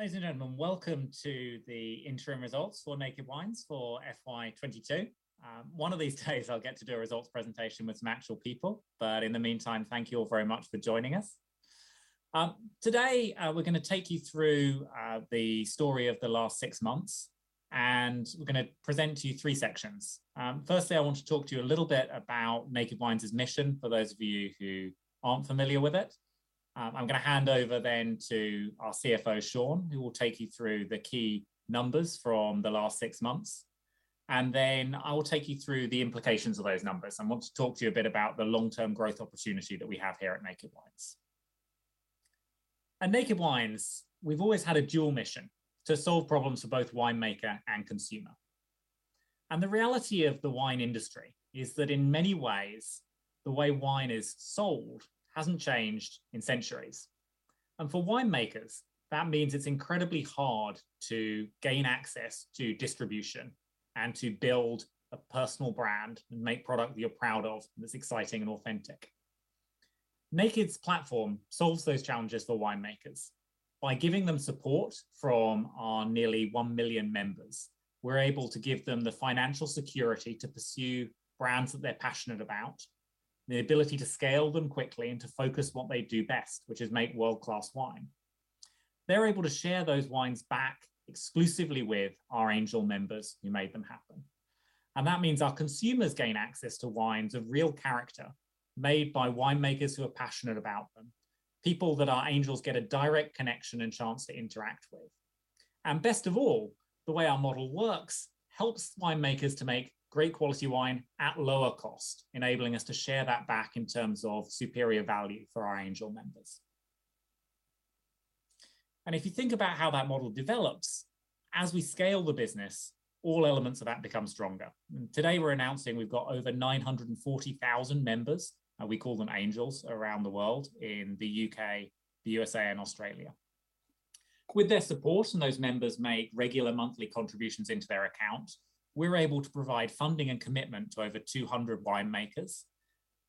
Ladies and gentlemen, welcome to the interim results for Naked Wines for FY 2022. One of these days I'll get to do a results presentation with some actual people, but in the meantime, thank you all very much for joining us. Today, we're gonna take you through the story of the last six months, and we're gonna present to you three sections. Firstly, I want to talk to you a little bit about Naked Wines' mission, for those of you who aren't familiar with it. I'm gonna hand over then to our CFO, Shawn, who will take you through the key numbers from the last six months. I will take you through the implications of those numbers, and want to talk to you a bit about the long-term growth opportunity that we have here at Naked Wines. At Naked Wines, we've always had a dual mission: to solve problems for both winemaker and consumer. The reality of the wine industry is that in many ways, the way wine is sold hasn't changed in centuries. For winemakers, that means it's incredibly hard to gain access to distribution and to build a personal brand and make product that you're proud of, that's exciting and authentic. Naked's platform solves those challenges for winemakers. By giving them support from our nearly one million members, we're able to give them the financial security to pursue brands that they're passionate about, the ability to scale them quickly and to focus what they do best, which is make world-class wine. They're able to share those wines back exclusively with our Angels who made them happen. That means our consumers gain access to wines of real character made by winemakers who are passionate about them, people that our Angels get a direct connection and chance to interact with. Best of all, the way our model works helps winemakers to make great quality wine at lower cost, enabling us to share that back in terms of superior value for our Angel members. If you think about how that model develops, as we scale the business, all elements of that become stronger. Today we're announcing we've got over 940,000 members, and we call them Angels, around the world in the U.K., the USA. and Australia. With their support, and those members make regular monthly contributions into their account, we're able to provide funding and commitment to over 200 winemakers.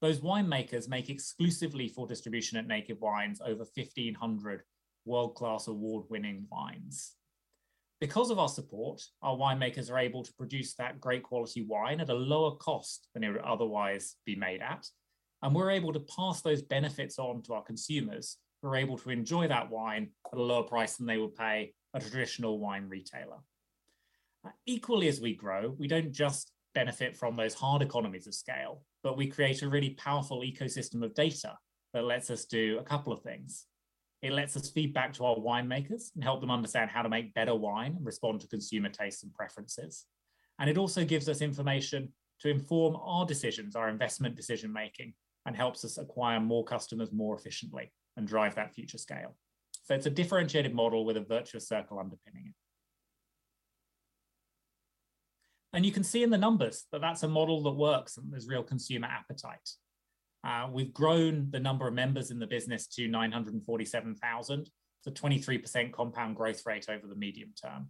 Those winemakers make exclusively for distribution at Naked Wines over 1,500 world-class award-winning wines. Because of our support, our winemakers are able to produce that great quality wine at a lower cost than it would otherwise be made at, and we're able to pass those benefits on to our consumers, who are able to enjoy that wine at a lower price than they would pay a traditional wine retailer. Equally, as we grow, we don't just benefit from those hard economies of scale, but we create a really powerful ecosystem of data that lets us do a couple of things. It lets us feed back to our winemakers and help them understand how to make better wine and respond to consumer tastes and preferences. It also gives us information to inform our decisions, our investment decision-making, and helps us acquire more customers more efficiently and drive that future scale. It's a differentiated model with a virtuous circle underpinning it. You can see in the numbers that that's a model that works and there's real consumer appetite. We've grown the number of members in the business to 947,000, so 23% compound growth rate over the medium term.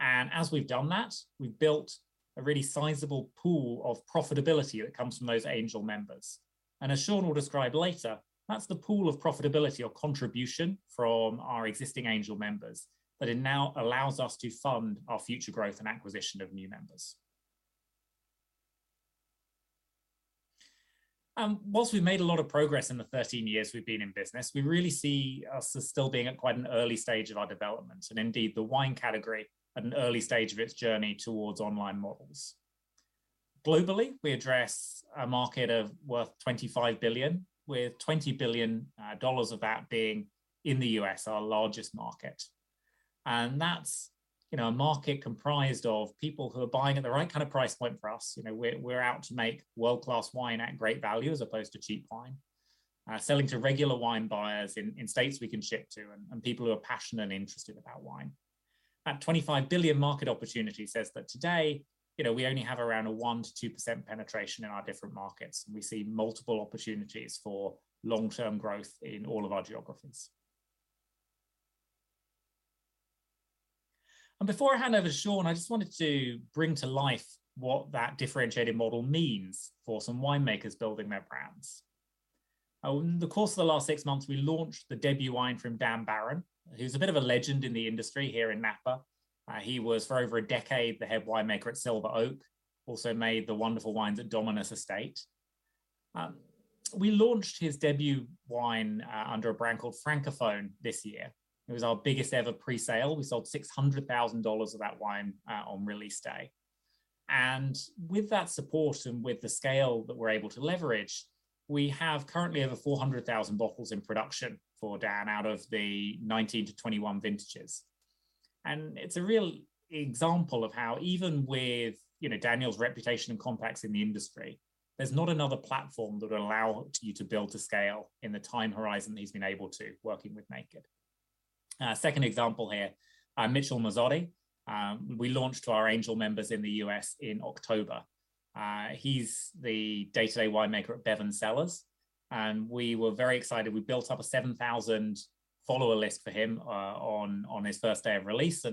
As we've done that, we've built a really sizable pool of profitability that comes from those Angels. As Shawn will describe later, that's the pool of profitability or contribution from our existing Angels that it now allows us to fund our future growth and acquisition of new members. While we've made a lot of progress in the 13 years we've been in business, we really see us as still being at quite an early stage of our development and indeed the wine category at an early stage of its journey towards online models. Globally, we address a market of worth 25 billion, with $20 billion of that being in the U.S., our largest market. That's, you know, a market comprised of people who are buying at the right kind of price point for us. You know, we're out to make world-class wine at great value as opposed to cheap wine. Selling to regular wine buyers in states we can ship to and people who are passionate and interested about wine. That 25 billion market opportunity says that today, you know, we only have around a 1%-2% penetration in our different markets. We see multiple opportunities for long-term growth in all of our geographies. Before I hand over to Shawn, I just wanted to bring to life what that differentiated model means for some winemakers building their brands. Over the course of the last six months, we launched the debut wine from Dan Baron. He's a bit of a legend in the industry here in Napa. He was for over a decade the head winemaker at Silver Oak, also made the wonderful wines at Dominus Estate. We launched his debut wine under a brand called Francophone this year. It was our biggest ever pre-sale. We sold $600,000 of that wine on release day. With that support and with the scale that we're able to leverage, we have currently over 400,000 bottles in production for Dan out of the 2019-2021 vintages. It's a real example of how even with, you know, Daniel's reputation and contacts in the industry, there's not another platform that would allow you to build to scale in the time horizon that he's been able to working with Naked. Second example here, Mitchell Masotti. We launched to our Angels in the U.S. in October. He's the day-to-day winemaker at Bevan Cellars, and we were very excited. We built up a 7,000-follower list for him on his first day of release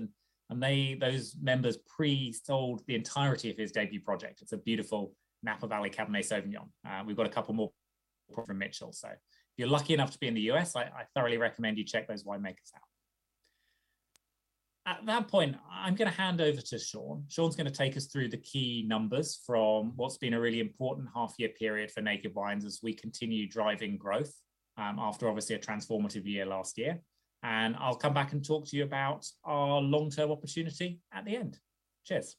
and they, those members pre-sold the entirety of his debut project. It's a beautiful Napa Valley Cabernet Sauvignon. We've got a couple more from Mitchell. If you're lucky enough to be in the U.S., I thoroughly recommend you check those winemakers out. At that point, I'm gonna hand over to Shawn. Shawn's gonna take us through the key numbers from what's been a really important half-year period for Naked Wines as we continue driving growth, after obviously a transformative year last year. I'll come back and talk to you about our long-term opportunity at the end. Cheers.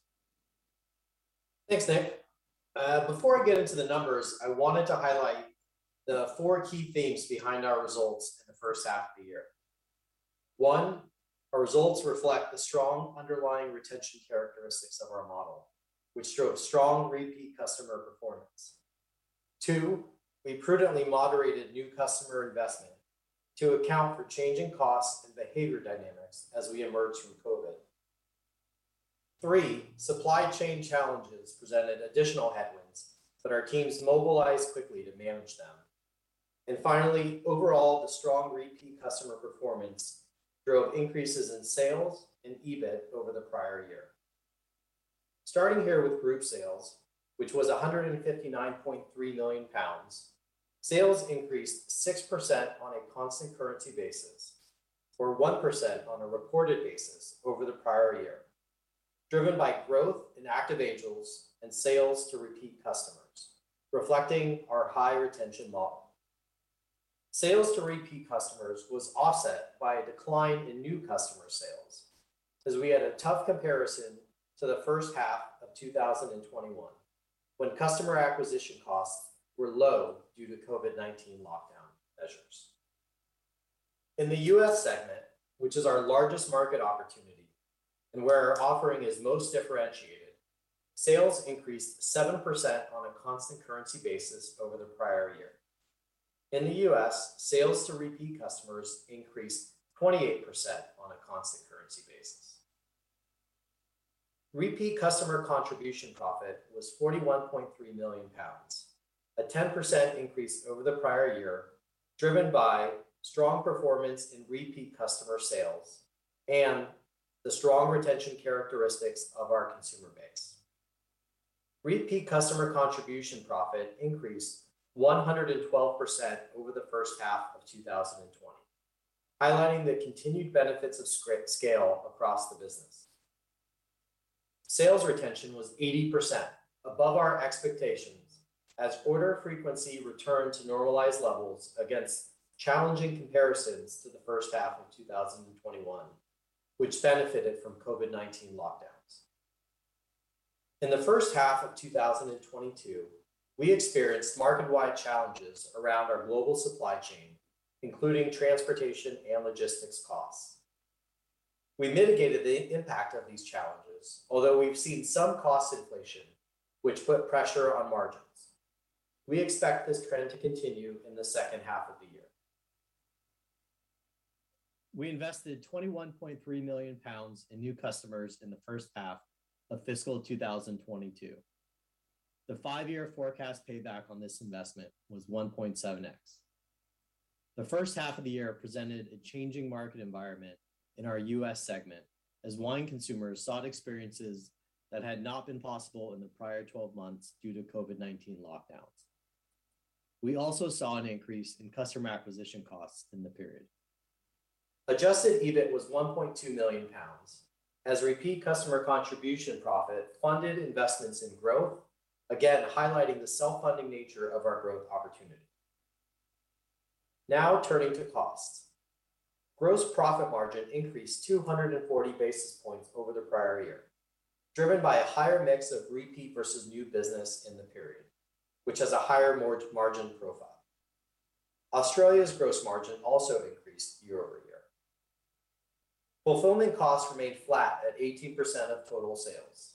Thanks, Nick. Before I get into the numbers, I wanted to highlight the four key themes behind our results in the H1 of the year. One, our results reflect the strong underlying retention characteristics of our model, which drove strong repeat customer performance. Two, we prudently moderated new customer investment to account for changing costs and behavior dynamics as we emerge from COVID. Three, supply chain challenges presented additional headwinds that our teams mobilized quickly to manage them. And finally, overall, the strong repeat customer performance drove increases in sales and EBIT over the prior year. Starting here with group sales, which was 159.3 million pounds, sales increased 6% on a constant currency basis, or 1% on a reported basis over the prior year, driven by growth in active Angels and sales to repeat customers, reflecting our high retention model. Sales to repeat customers was offset by a decline in new customer sales as we had a tough comparison to the H1 of 2021, when customer acquisition costs were low due to COVID-19 lockdown measures. In the U.S. segment, which is our largest market opportunity and where our offering is most differentiated, sales increased 7% on a constant currency basis over the prior year. In the U.S., sales to repeat customers increased 28% on a constant currency basis. Repeat customer contribution profit was 41.3 million pounds, a 10% increase over the prior year, driven by strong performance in repeat customer sales and the strong retention characteristics of our consumer base. Repeat customer contribution profit increased 112% over the H1 of 2020, highlighting the continued benefits of scale across the business. Sales retention was 80% above our expectations as order frequency returned to normalized levels against challenging comparisons to the H1 of 2021, which benefited from COVID-19 lockdowns. In the H1 of 2022, we experienced market-wide challenges around our global supply chain, including transportation and logistics costs. We mitigated the impact of these challenges, although we've seen some cost inflation which put pressure on margins. We expect this trend to continue in the H2 of the year. We invested 21.3 million pounds in new customers in the H1 of fiscal 2022. The five-year forecast payback on this investment was 1.7x. The H1 of the year presented a changing market environment in our U.S. segment as wine consumers sought experiences that had not been possible in the prior twelve months due to COVID-19 lockdowns. We also saw an increase in customer acquisition costs in the period. Adjusted EBIT was 1.2 million pounds as repeat customer contribution profit funded investments in growth, again highlighting the self-funding nature of our growth opportunity. Now turning to costs. Gross profit margin increased 240 basis points over the prior year, driven by a higher mix of repeat versus new business in the period, which has a higher margin profile. Australia's gross margin also increased year-over-year. Fulfillment costs remained flat at 18% of total sales.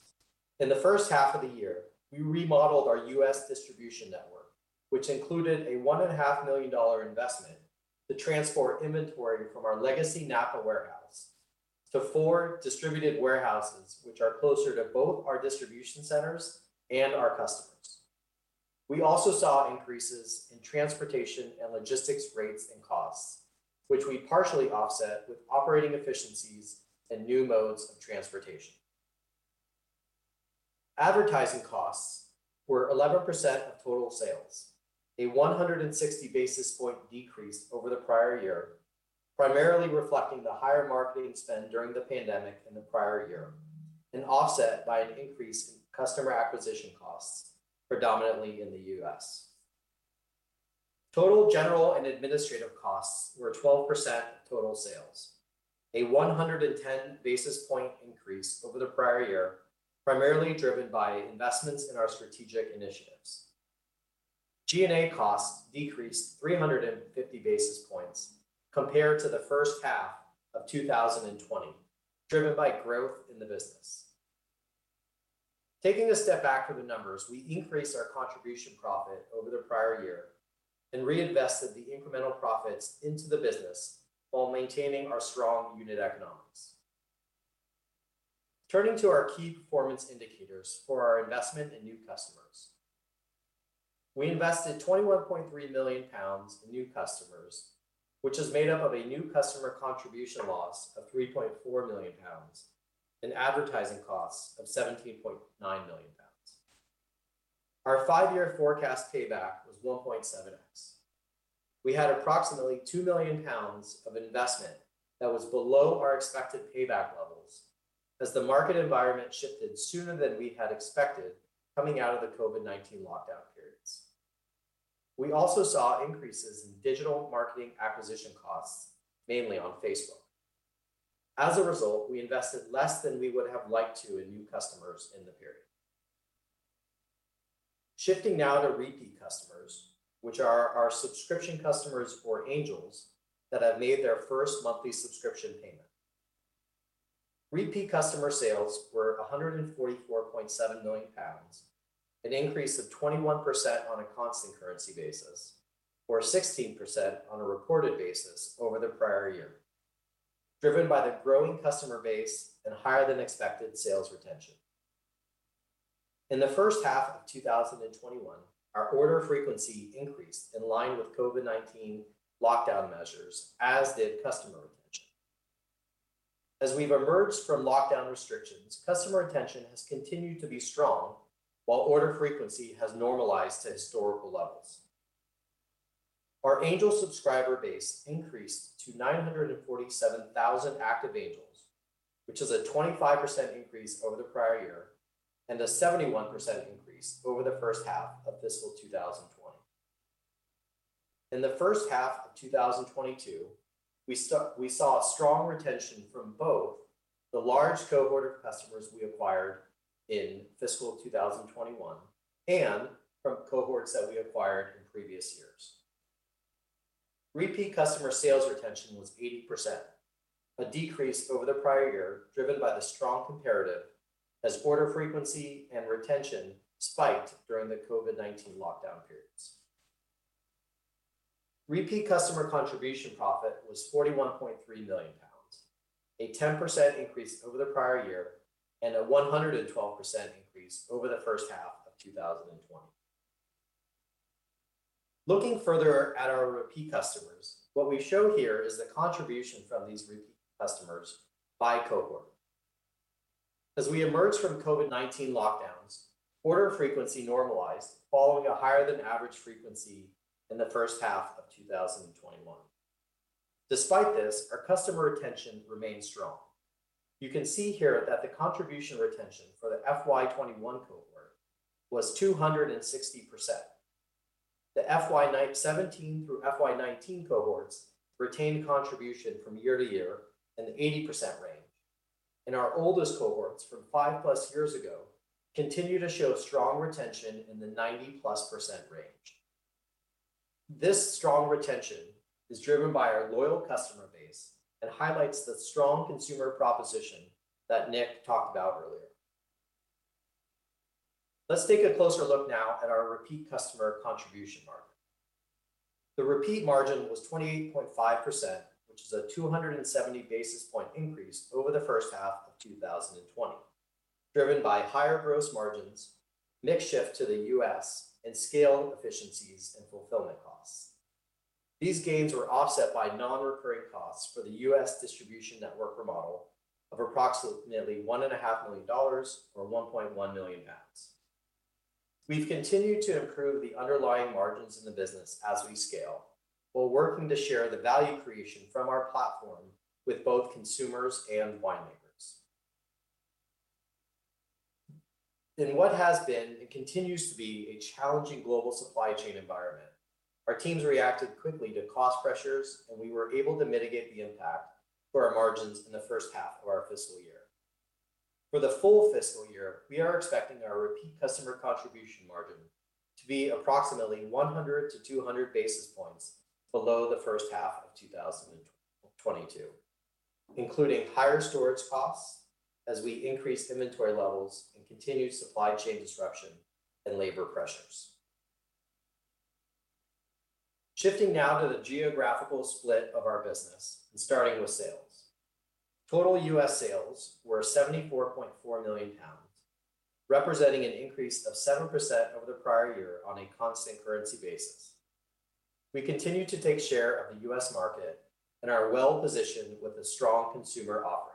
In the H1 of the year, we remodeled our U.S. distribution network, which included a $1.5 million investment to transport inventory from our legacy Napa warehouse to four distributed warehouses, which are closer to both our distribution centers and our customers. We also saw increases in transportation and logistics rates and costs, which we partially offset with operating efficiencies and new modes of transportation. Advertising costs were 11% of total sales, a 160 basis point decrease over the prior year, primarily reflecting the higher marketing spend during the pandemic in the prior year, and offset by an increase in customer acquisition costs, predominantly in the U.S. Total general and administrative costs were 12% of total sales, a 110 basis point increase over the prior year, primarily driven by investments in our strategic initiatives. G&A costs decreased 350 basis points compared to the H1 of 2020, driven by growth in the business. Taking a step back from the numbers, we increased our contribution profit over the prior year and reinvested the incremental profits into the business while maintaining our strong unit economics. Turning to our key performance indicators for our investment in new customers, we invested 21.3 million pounds in new customers, which is made up of a new customer contribution loss of 3.4 million pounds and advertising costs of 17.9 million pounds. Our five-year forecast payback was 1.7x. We had approximately 2 million pounds of investment that was below our expected payback levels as the market environment shifted sooner than we had expected coming out of the COVID-19 lockdown periods. We also saw increases in digital marketing acquisition costs, mainly on Facebook. As a result, we invested less than we would have liked to in new customers in the period. Shifting now to repeat customers, which are our subscription customers or Angels that have made their first monthly subscription payment. Repeat customer sales were 144.7 million pounds, an increase of 21% on a constant currency basis, or 16% on a reported basis over the prior year, driven by the growing customer base and higher than expected sales retention. In the H1 of 2021, our order frequency increased in line with COVID-19 lockdown measures, as did customer retention. As we've emerged from lockdown restrictions, customer retention has continued to be strong while order frequency has normalized to historical levels. Our angel subscriber base increased to 947,000 active Angels, which is a 25% increase over the prior year and a 71% increase over the H1 of fiscal 2020. In the H1 of 2022, we saw a strong retention from both the large cohort of customers we acquired in fiscal 2021 and from cohorts that we acquired in previous years. Repeat customer sales retention was 80%, a decrease over the prior year driven by the strong comparative as order frequency and retention spiked during the COVID-19 lockdown periods. Repeat customer contribution profit was 41.3 million pounds, a 10% increase over the prior year and a 112% increase over the H1 of 2020. Looking further at our repeat customers, what we show here is the contribution from these repeat customers by cohort. As we emerged from COVID-19 lockdowns, order frequency normalized following a higher than average frequency in the H1 of 2021. Despite this, our customer retention remained strong. You can see here that the contribution retention for the FY 2021 cohort was 260%. The FY 2017 through FY 2019 cohorts retained contribution from year to year in the 80% range, and our oldest cohorts from 5+ years ago continue to show strong retention in the 90+% range. This strong retention is driven by our loyal customer base and highlights the strong consumer proposition that Nick talked about earlier. Let's take a closer look now at our repeat customer contribution margin. The repeat margin was 28.5%, which is a 270 basis points increase over the H1 of 2020, driven by higher gross margins, mix shift to the U.S. and scale efficiencies and fulfillment costs. These gains were offset by non-recurring costs for the U.S. distribution network remodel of approximately $1.5 million or 1.1 million pounds. We've continued to improve the underlying margins in the business as we scale while working to share the value creation from our platform with both consumers and winemakers. In what has been and continues to be a challenging global supply chain environment, our teams reacted quickly to cost pressures and we were able to mitigate the impact for our margins in the H1 of our fiscal year. For the full fiscal year, we are expecting our repeat customer contribution margin to be approximately 100-200 basis points below the H1 of 2022, including higher storage costs as we increase inventory levels and continue supply chain disruption and labor pressures. Shifting now to the geographical split of our business and starting with sales. Total U.S. sales were 74.4 million pounds, representing an increase of 7% over the prior year on a constant currency basis. We continue to take share of the U.S. market and are well positioned with a strong consumer offering.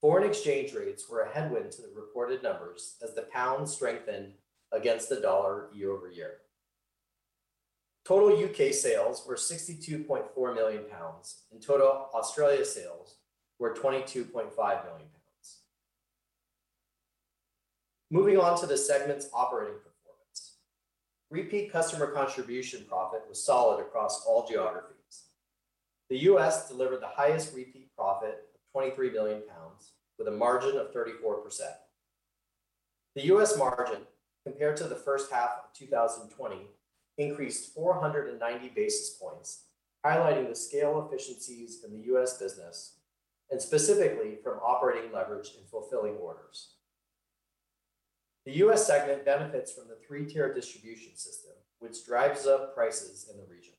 Foreign exchange rates were a headwind to the reported numbers as the pound strengthened against the dollar year-over-year. Total U.K. sales were 62.4 million pounds and total Australia sales were 22.5 million pounds. Moving on to the segment's operating performance. Repeat customer contribution profit was solid across all geographies. The U.S. delivered the highest repeat profit of 23 million pounds with a margin of 34%. The U.S. margin compared to the H1 of 2020 increased 490 basis points, highlighting the scale efficiencies in the U.S. business and specifically from operating leverage and fulfilling orders. The U.S. segment benefits from the three-tier distribution system, which drives up prices in the region.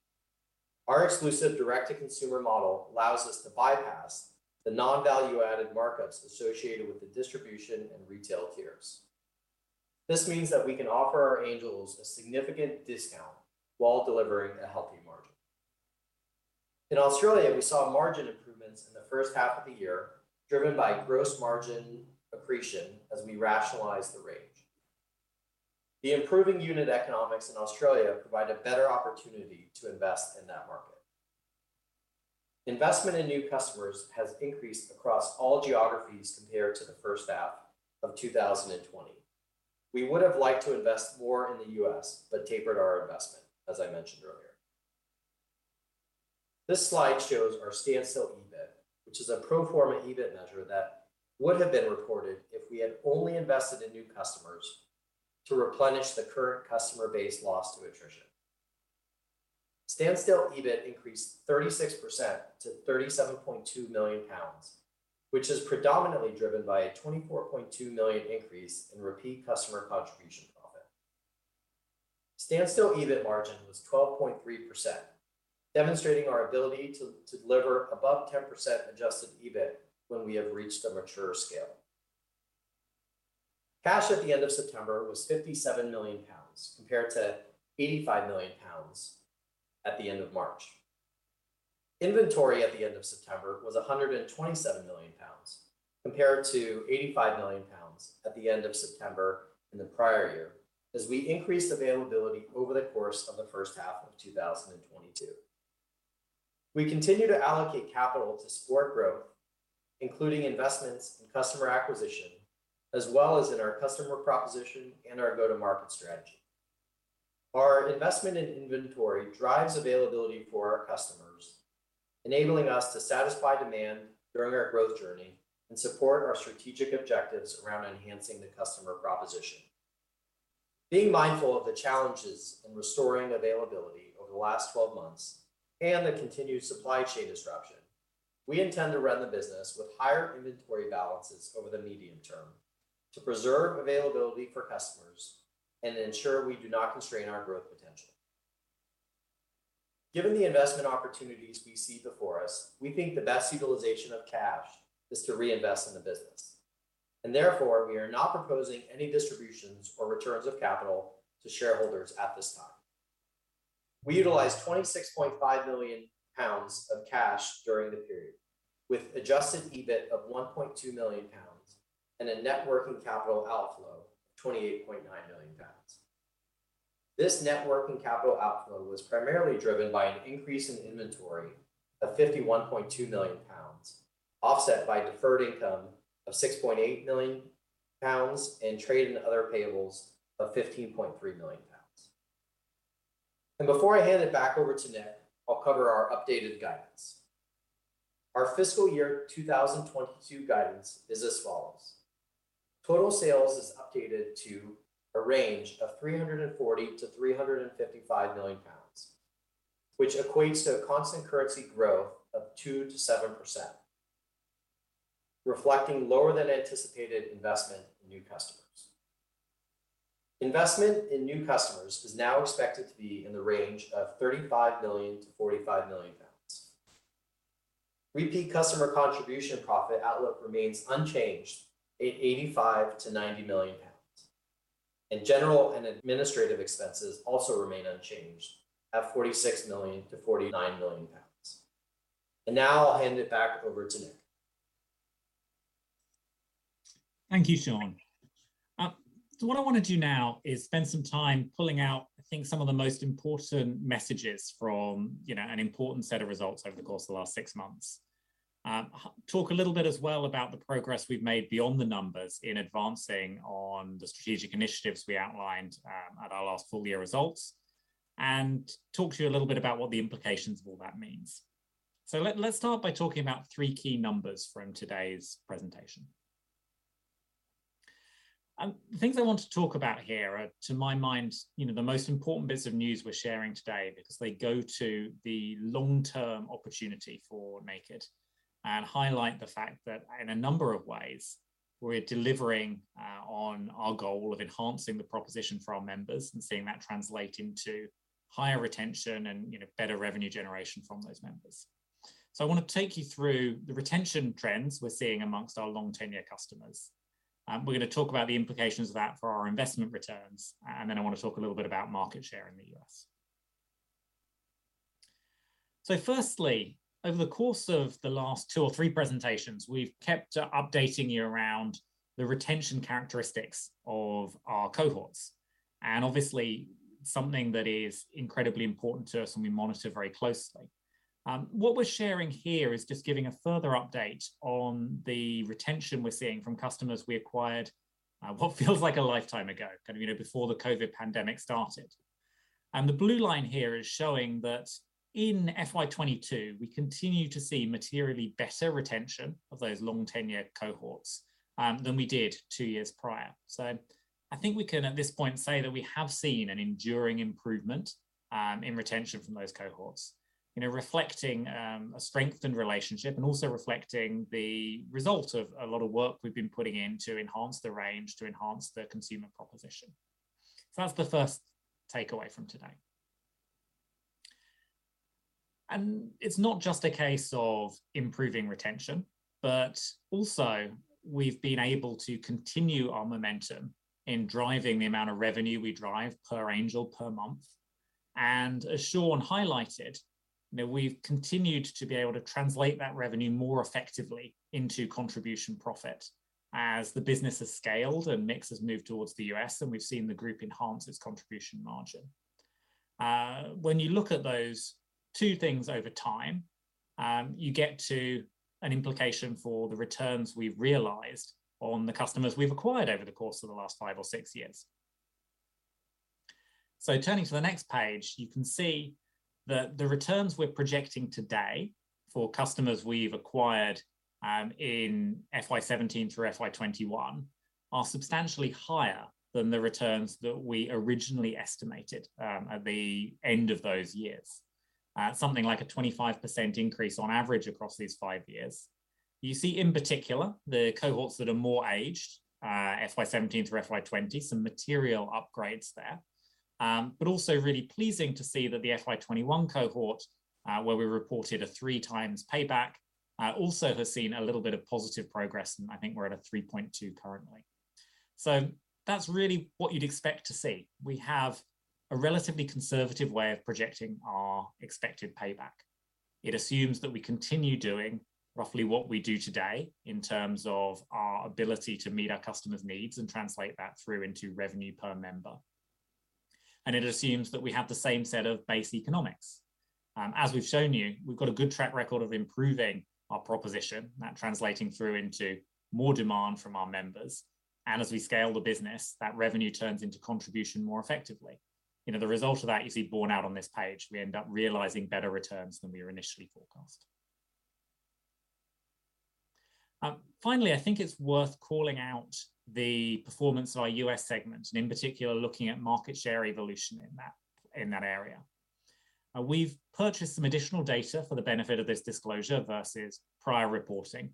Our exclusive direct-to-consumer model allows us to bypass the non-value-added markups associated with the distribution and retail tiers. This means that we can offer our angels a significant discount while delivering a healthy margin. In Australia, we saw margin improvements in the H1 of the year, driven by gross margin accretion as we rationalize the range. The improving unit economics in Australia provide a better opportunity to invest in that market. Investment in new customers has increased across all geographies compared to the H1 of 2020. We would have liked to invest more in the U.S., but tapered our investment, as I mentioned earlier. This slide shows our standstill EBIT, which is a pro forma EBIT measure that would have been reported if we had only invested in new customers to replenish the current customer base loss to attrition. Standstill EBIT increased 36% to 37.2 million pounds, which is predominantly driven by a 24.2 million increase in repeat customer contribution profit. Standstill EBIT margin was 12.3%, demonstrating our ability to deliver above 10% adjusted EBIT when we have reached a mature scale. Cash at the end of September was 57 million pounds compared to 85 million pounds at the end of March. Inventory at the end of September was 127 million pounds compared to 85 million pounds at the end of September in the prior year, as we increased availability over the course of the H1 of 2022. We continue to allocate capital to support growth, including investments in customer acquisition, as well as in our customer proposition and our go-to-market strategy. Our investment in inventory drives availability for our customers, enabling us to satisfy demand during our growth journey and support our strategic objectives around enhancing the customer proposition. Being mindful of the challenges in restoring availability over the last 12 months and the continued supply chain disruption, we intend to run the business with higher inventory balances over the medium term to preserve availability for customers and ensure we do not constrain our growth potential. Given the investment opportunities we see before us, we think the best utilization of cash is to reinvest in the business, and therefore, we are not proposing any distributions or returns of capital to shareholders at this time. We utilized 26.5 million pounds of cash during the period, with Adjusted EBIT of 1.2 million pounds and a net working capital outflow of 28.9 million pounds. This net working capital outflow was primarily driven by an increase in inventory of 51.2 million pounds, offset by deferred income of 6.8 million pounds and trade and other payables of 15.3 million pounds. Before I hand it back over to Nick, I'll cover our updated guidance. Our fiscal year 2022 guidance is as follows. Total sales is updated to a range of 340 million-355 million pounds, which equates to a constant currency growth of 2%-7%, reflecting lower than anticipated investment in new customers. Investment in new customers is now expected to be in the range of 35 million-45 million pounds. Repeat customer contribution profit outlook remains unchanged at 85 million-90 million pounds. General and administrative expenses also remain unchanged at 46 million-49 million pounds. Now I'll hand it back over to Nick. Thank you, Shawn. What I want to do now is spend some time pulling out, I think, some of the most important messages from, you know, an important set of results over the course of the last six months. Talk a little bit as well about the progress we've made beyond the numbers in advancing on the strategic initiatives we outlined at our last full year results, and talk to you a little bit about what the implications of all that means. Let's start by talking about three key numbers from today's presentation. The things I want to talk about here are, to my mind, you know, the most important bits of news we're sharing today because they go to the long-term opportunity for Naked and highlight the fact that in a number of ways, we're delivering on our goal of enhancing the proposition for our members and seeing that translate into higher retention and, you know, better revenue generation from those members. I want to take you through the retention trends we're seeing among our long tenure customers. We're going to talk about the implications of that for our investment returns, and then I want to talk a little bit about market share in the U.S. Firstly, over the course of the last two or three presentations, we've kept updating you around the retention characteristics of our cohorts, and obviously something that is incredibly important to us and we monitor very closely. What we're sharing here is just giving a further update on the retention we're seeing from customers we acquired, what feels like a lifetime ago, kind of, you know, before the COVID pandemic started. The blue line here is showing that in FY 2022, we continue to see materially better retention of those long tenure cohorts than we did two years prior. I think we can at this point say that we have seen an enduring improvement in retention from those cohorts, you know, reflecting a strengthened relationship and also reflecting the result of a lot of work we've been putting in to enhance the range, to enhance the consumer proposition. That's the first takeaway from today. It's not just a case of improving retention, but also we've been able to continue our momentum in driving the amount of revenue we drive per Angel per month. As Shawn highlighted, you know, we've continued to be able to translate that revenue more effectively into contribution profit as the business has scaled and mix has moved towards the U.S., and we've seen the group enhance its contribution margin. When you look at those two things over time, you get to an implication for the returns we've realized on the customers we've acquired over the course of the last five or six years. Turning to the next page, you can see that the returns we're projecting today for customers we've acquired in FY 2017 through FY 2021 are substantially higher than the returns that we originally estimated at the end of those years. Something like a 25% increase on average across these five years. You see in particular the cohorts that are more aged, FY 2017 through FY 2020, some material upgrades there. Also really pleasing to see that the FY 2021 cohort, where we reported a 3x payback, also has seen a little bit of positive progress, and I think we're at a 3.2x currently. That's really what you'd expect to see. We have a relatively conservative way of projecting our expected payback. It assumes that we continue doing roughly what we do today in terms of our ability to meet our customers' needs and translate that through into revenue per member. It assumes that we have the same set of base economics. As we've shown you, we've got a good track record of improving our proposition, that translating through into more demand from our members. As we scale the business, that revenue turns into contribution more effectively. You know, the result of that you see borne out on this page. We end up realizing better returns than we were initially forecast. Finally, I think it's worth calling out the performance of our U.S. segment, and in particular, looking at market share evolution in that area. We've purchased some additional data for the benefit of this disclosure versus prior reporting,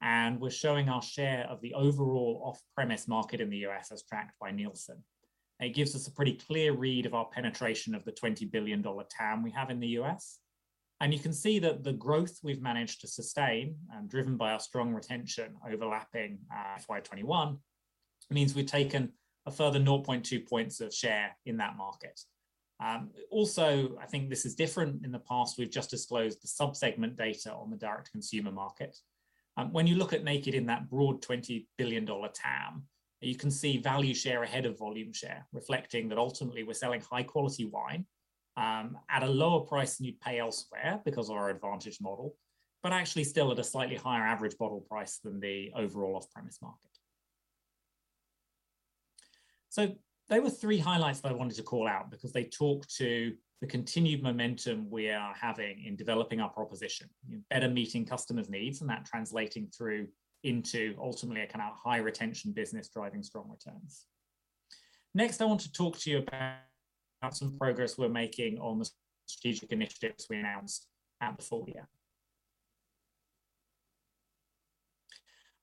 and we're showing our share of the overall off-premise market in the U.S. as tracked by Nielsen. It gives us a pretty clear read of our penetration of the $20 billion TAM we have in the U.S. You can see that the growth we've managed to sustain, driven by our strong retention overlapping FY 2021, means we've taken a further 0.2 points of share in that market. Also I think this is different. In the past, we've just disclosed the sub-segment data on the direct-to-consumer market. When you look at Naked in that broad $20 billion TAM, you can see value share ahead of volume share, reflecting that ultimately we're selling high quality wine at a lower price than you'd pay elsewhere because of our advantage model, but actually still at a slightly higher average bottle price than the overall off-premise market. There were three highlights that I wanted to call out because they talk to the continued momentum we are having in developing our proposition, better meeting customers' needs and that translating through into ultimately a kind of high retention business driving strong returns. Next, I want to talk to you about some progress we're making on the strategic initiatives we announced at the full year.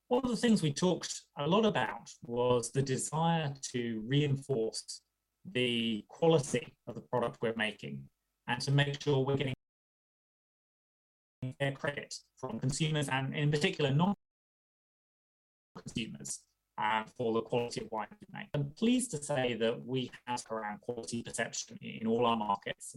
One of the things we talked a lot about was the desire to reinforce the quality of the product we're making and to make sure we're getting fair credit from consumers, and in particular, non-consumers, for the quality of wine we make. I'm pleased to say that we have gained ground in quality perception in all our markets.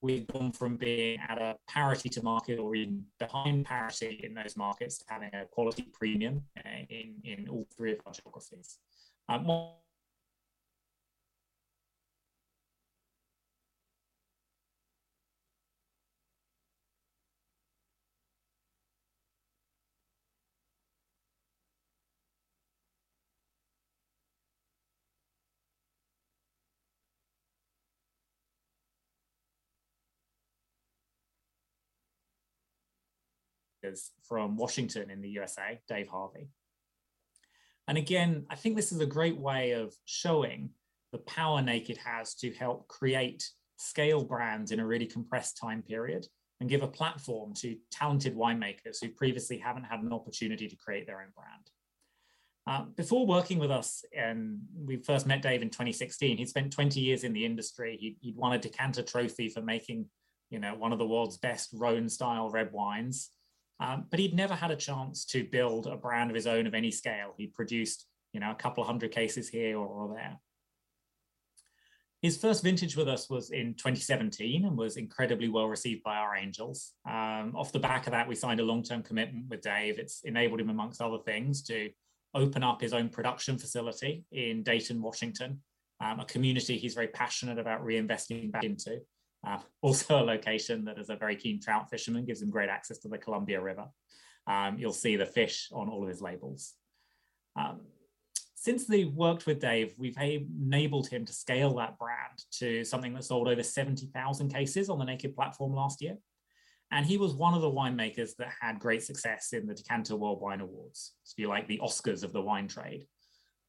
We've gone from being at a parity to market or even behind parity in those markets to having a quality premium in all three of our geographies. From Washington in the USA., Dave Harvey. Again, I think this is a great way of showing the power Naked has to help create scale brands in a really compressed time period and give a platform to talented winemakers who previously haven't had an opportunity to create their own brand. Before working with us, we first met Dave in 2016. He'd spent 20 years in the industry. He'd won a Decanter trophy for making, you know, one of the world's best Rhône-style red wines. He'd never had a chance to build a brand of his own of any scale. He produced, you know, a couple of hundred cases here or there. His first vintage with us was in 2017 and was incredibly well-received by our Angels. Off the back of that, we signed a long-term commitment with Dave. It's enabled him, among other things, to open up his own production facility in Dayton, Washington, a community he's very passionate about reinvesting back into. Also a location that as a very keen trout fisherman gives him great access to the Columbia River. You'll see the fish on all of his labels. Since we've worked with Dave, we've enabled him to scale that brand to something that sold over 70,000 cases on the Naked platform last year. He was one of the winemakers that had great success in the Decanter World Wine Awards, sort of like the Oscars of the wine trade.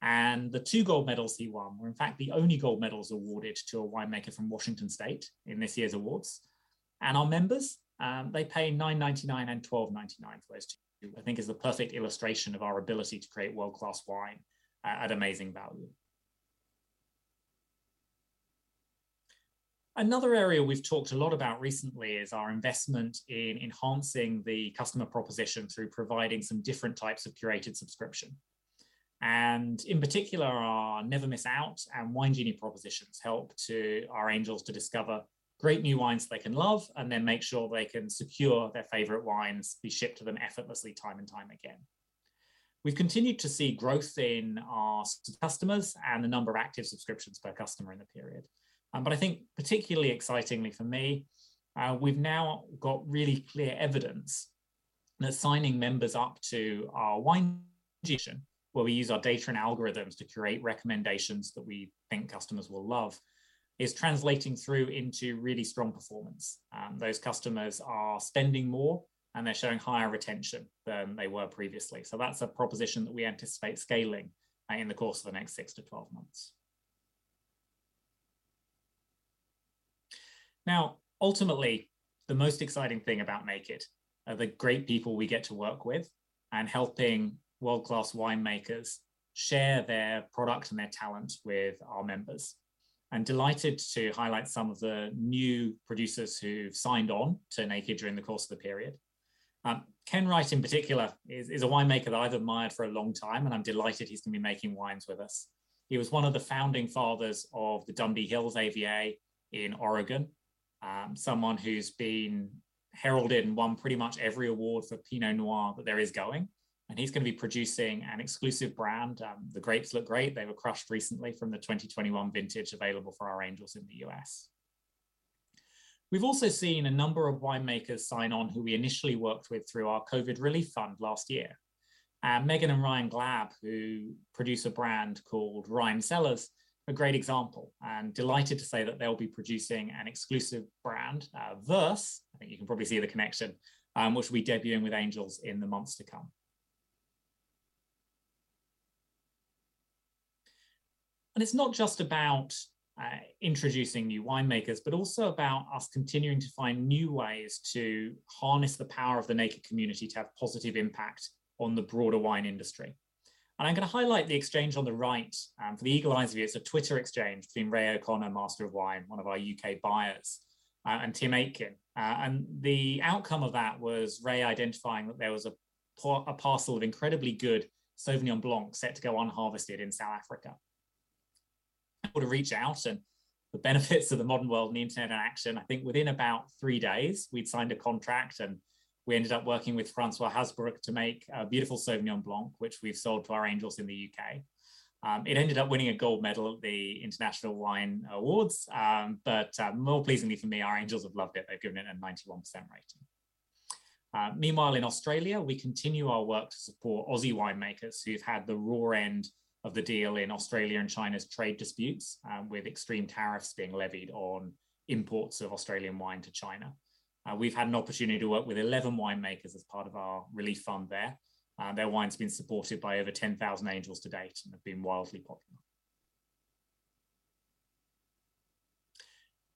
The two gold medals he won were in fact the only gold medals awarded to a winemaker from Washington State in this year's awards. Our members, they pay 9.99 and 12.99 for those two. I think it's the perfect illustration of our ability to create world-class wine at amazing value. Another area we've talked a lot about recently is our investment in enhancing the customer proposition through providing some different types of curated subscription. In particular, our Never Miss Out and Wine Genie propositions help our Angels to discover great new wines they can love and then make sure they can secure their favorite wines be shipped to them effortlessly time and time again. We've continued to see growth in our customers and the number of active subscriptions per customer in the period. I think particularly excitingly for me, we've now got really clear evidence that signing members up to our wine where we use our data and algorithms to curate recommendations that we think customers will love, is translating through into really strong performance. Those customers are spending more, and they're showing higher retention than they were previously. That's a proposition that we anticipate scaling in the course of the next six to 12 months. Now, ultimately, the most exciting thing about Naked Wines are the great people we get to work with and helping world-class winemakers share their product and their talent with our members. I'm delighted to highlight some of the new producers who've signed on to Naked Wines during the course of the period. Ken Wright in particular is a winemaker that I've admired for a long time, and I'm delighted he's gonna be making wines with us. He was one of the founding fathers of the Dundee Hills AVA in Oregon. Someone who's been heralded and won pretty much every award for pinot noir that there is going, and he's gonna be producing an exclusive brand. The grapes look great. They were crushed recently from the 2021 vintage available for our Angels in the U.S. We've also seen a number of winemakers sign on who we initially worked with through our COVID relief fund last year. Megan and Ryan Glaab, who produce a brand called Ryme Cellars, a great example, and delighted to say that they'll be producing an exclusive brand, Verse, I think you can probably see the connection, which we'll be debuting with Angels in the months to come. It's not just about introducing new winemakers, but also about us continuing to find new ways to harness the power of the Naked Wines community to have positive impact on the broader wine industry. I'm gonna highlight the exchange on the right, for the eagle-eyed viewers, a Twitter exchange between Ray O'Connor, Master of Wine, one of our U.K. buyers, and Tim Atkin. The outcome of that was Ray identifying that there was a parcel of incredibly good Sauvignon Blanc set to go unharvested in South Africa. We were able to reach out and the benefits of the modern world and the internet in action, I think within about three days we'd signed a contract, and we ended up working with Francois Haasbroek to make a beautiful Sauvignon Blanc which we've sold to our Angels in the U.K. It ended up winning a gold medal at the International Wine Challenge, but more pleasingly for me, our Angels have loved it. They've given it a 91% rating. Meanwhile in Australia, we continue our work to support Aussie winemakers who've had the raw end of the deal in Australia and China's trade disputes, with extreme tariffs being levied on imports of Australian wine to China. We've had an opportunity to work with 11 winemakers as part of our relief fund there. Their wine's been supported by over 10,000 Angels to date and have been wildly popular.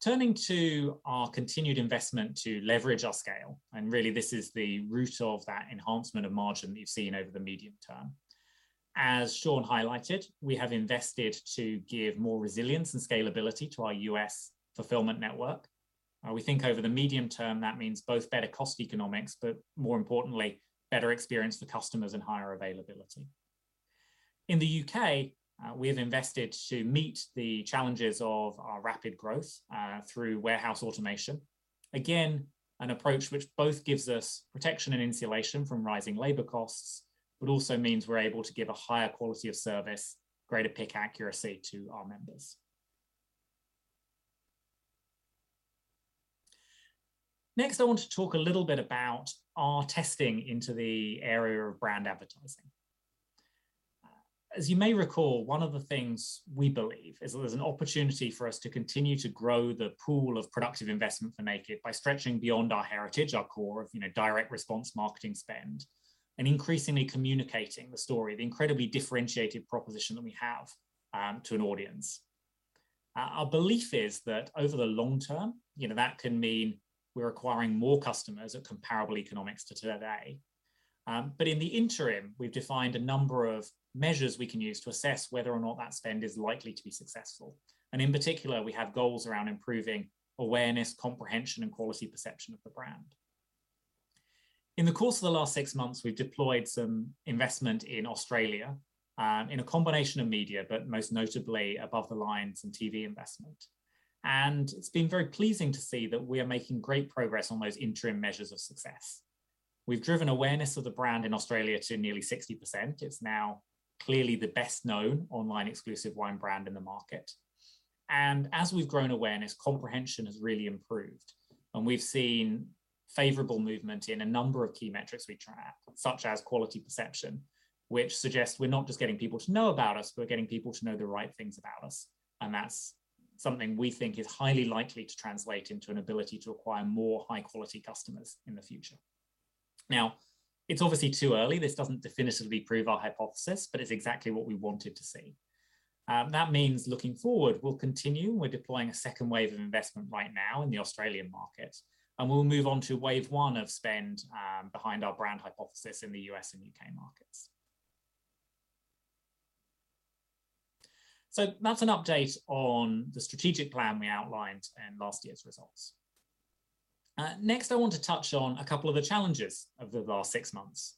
Turning to our continued investment to leverage our scale, and really this is the root of that enhancement of margin that you've seen over the medium term. As Shawn highlighted, we have invested to give more resilience and scalability to our U.S. fulfillment network. We think over the medium term, that means both better cost economics, but more importantly, better experience for customers and higher availability. In the U.K., we have invested to meet the challenges of our rapid growth through warehouse automation. Again, an approach which both gives us protection and insulation from rising labor costs, but also means we're able to give a higher quality of service, greater pick accuracy to our members. Next, I want to talk a little bit about our testing into the area of brand advertising. As you may recall, one of the things we believe is that there's an opportunity for us to continue to grow the pool of productive investment for Naked by stretching beyond our heritage, our core of, you know, direct response marketing spend, and increasingly communicating the story, the incredibly differentiated proposition that we have, to an audience. Our belief is that over the long term, you know, that can mean we're acquiring more customers at comparable economics to today. In the interim, we've defined a number of measures we can use to assess whether or not that spend is likely to be successful. In particular, we have goals around improving awareness, comprehension, and quality perception of the brand. In the course of the last six months, we've deployed some investment in Australia, in a combination of media, but most notably above the line, some TV investment. It's been very pleasing to see that we are making great progress on those interim measures of success. We've driven awareness of the brand in Australia to nearly 60%. It's now clearly the best-known online exclusive wine brand in the market. As we've grown awareness, comprehension has really improved, and we've seen favorable movement in a number of key metrics we track, such as quality perception, which suggests we're not just getting people to know about us, but we're getting people to know the right things about us. That's something we think is highly likely to translate into an ability to acquire more high-quality customers in the future. Now, it's obviously too early. This doesn't definitively prove our hypothesis, but it's exactly what we wanted to see. That means looking forward, we'll continue. We're deploying a second wave of investment right now in the Australian market, and we'll move on to wave one of spend behind our brand hypothesis in the U.S. and U.K. markets. So that's an update on the strategic plan we outlined in last year's results. Next I want to touch on a couple of the challenges of the last six months,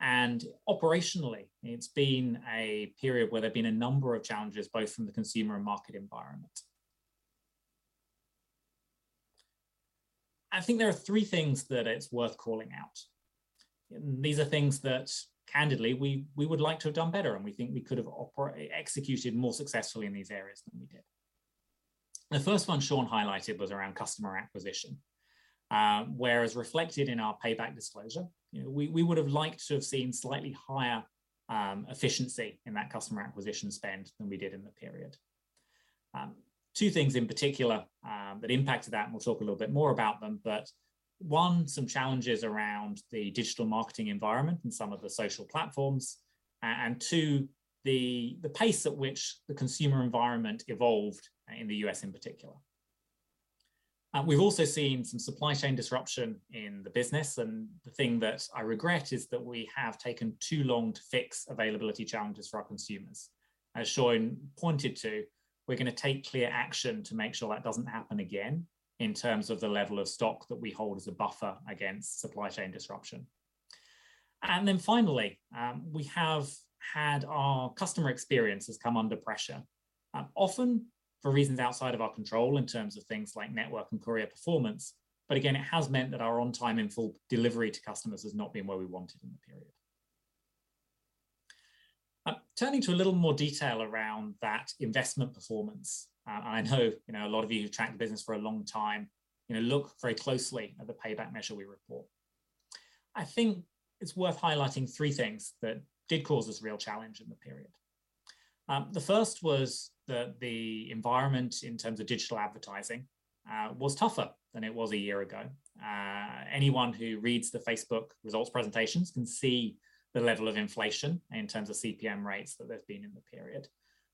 and operationally, it's been a period where there have been a number of challenges, both from the consumer and market environment. I think there are three things that it's worth calling out, and these are things that candidly, we would like to have done better, and we think we could have executed more successfully in these areas than we did. The first one Shawn highlighted was around customer acquisition, where as reflected in our payback disclosure, you know, we would have liked to have seen slightly higher efficiency in that customer acquisition spend than we did in the period. Two things in particular that impacted that, and we'll talk a little bit more about them, but one, some challenges around the digital marketing environment and some of the social platforms, and two, the pace at which the consumer environment evolved in the U.S. in particular. We've also seen some supply chain disruption in the business, and the thing that I regret is that we have taken too long to fix availability challenges for our consumers. As Shawn pointed to, we're gonna take clear action to make sure that doesn't happen again in terms of the level of stock that we hold as a buffer against supply chain disruption. Finally, we have had our customer experience has come under pressure, often for reasons outside of our control in terms of things like network and courier performance, but again, it has meant that our on-time and full delivery to customers has not been where we wanted in the period. Turning to a little more detail around that investment performance, I know, you know, a lot of you who've tracked the business for a long time, you know, look very closely at the payback measure we report. I think it's worth highlighting three things that did cause us real challenge in the period. The first was the environment in terms of digital advertising, was tougher than it was a year ago. Anyone who reads the Facebook results presentations can see the level of inflation in terms of CPM rates that there's been in the period,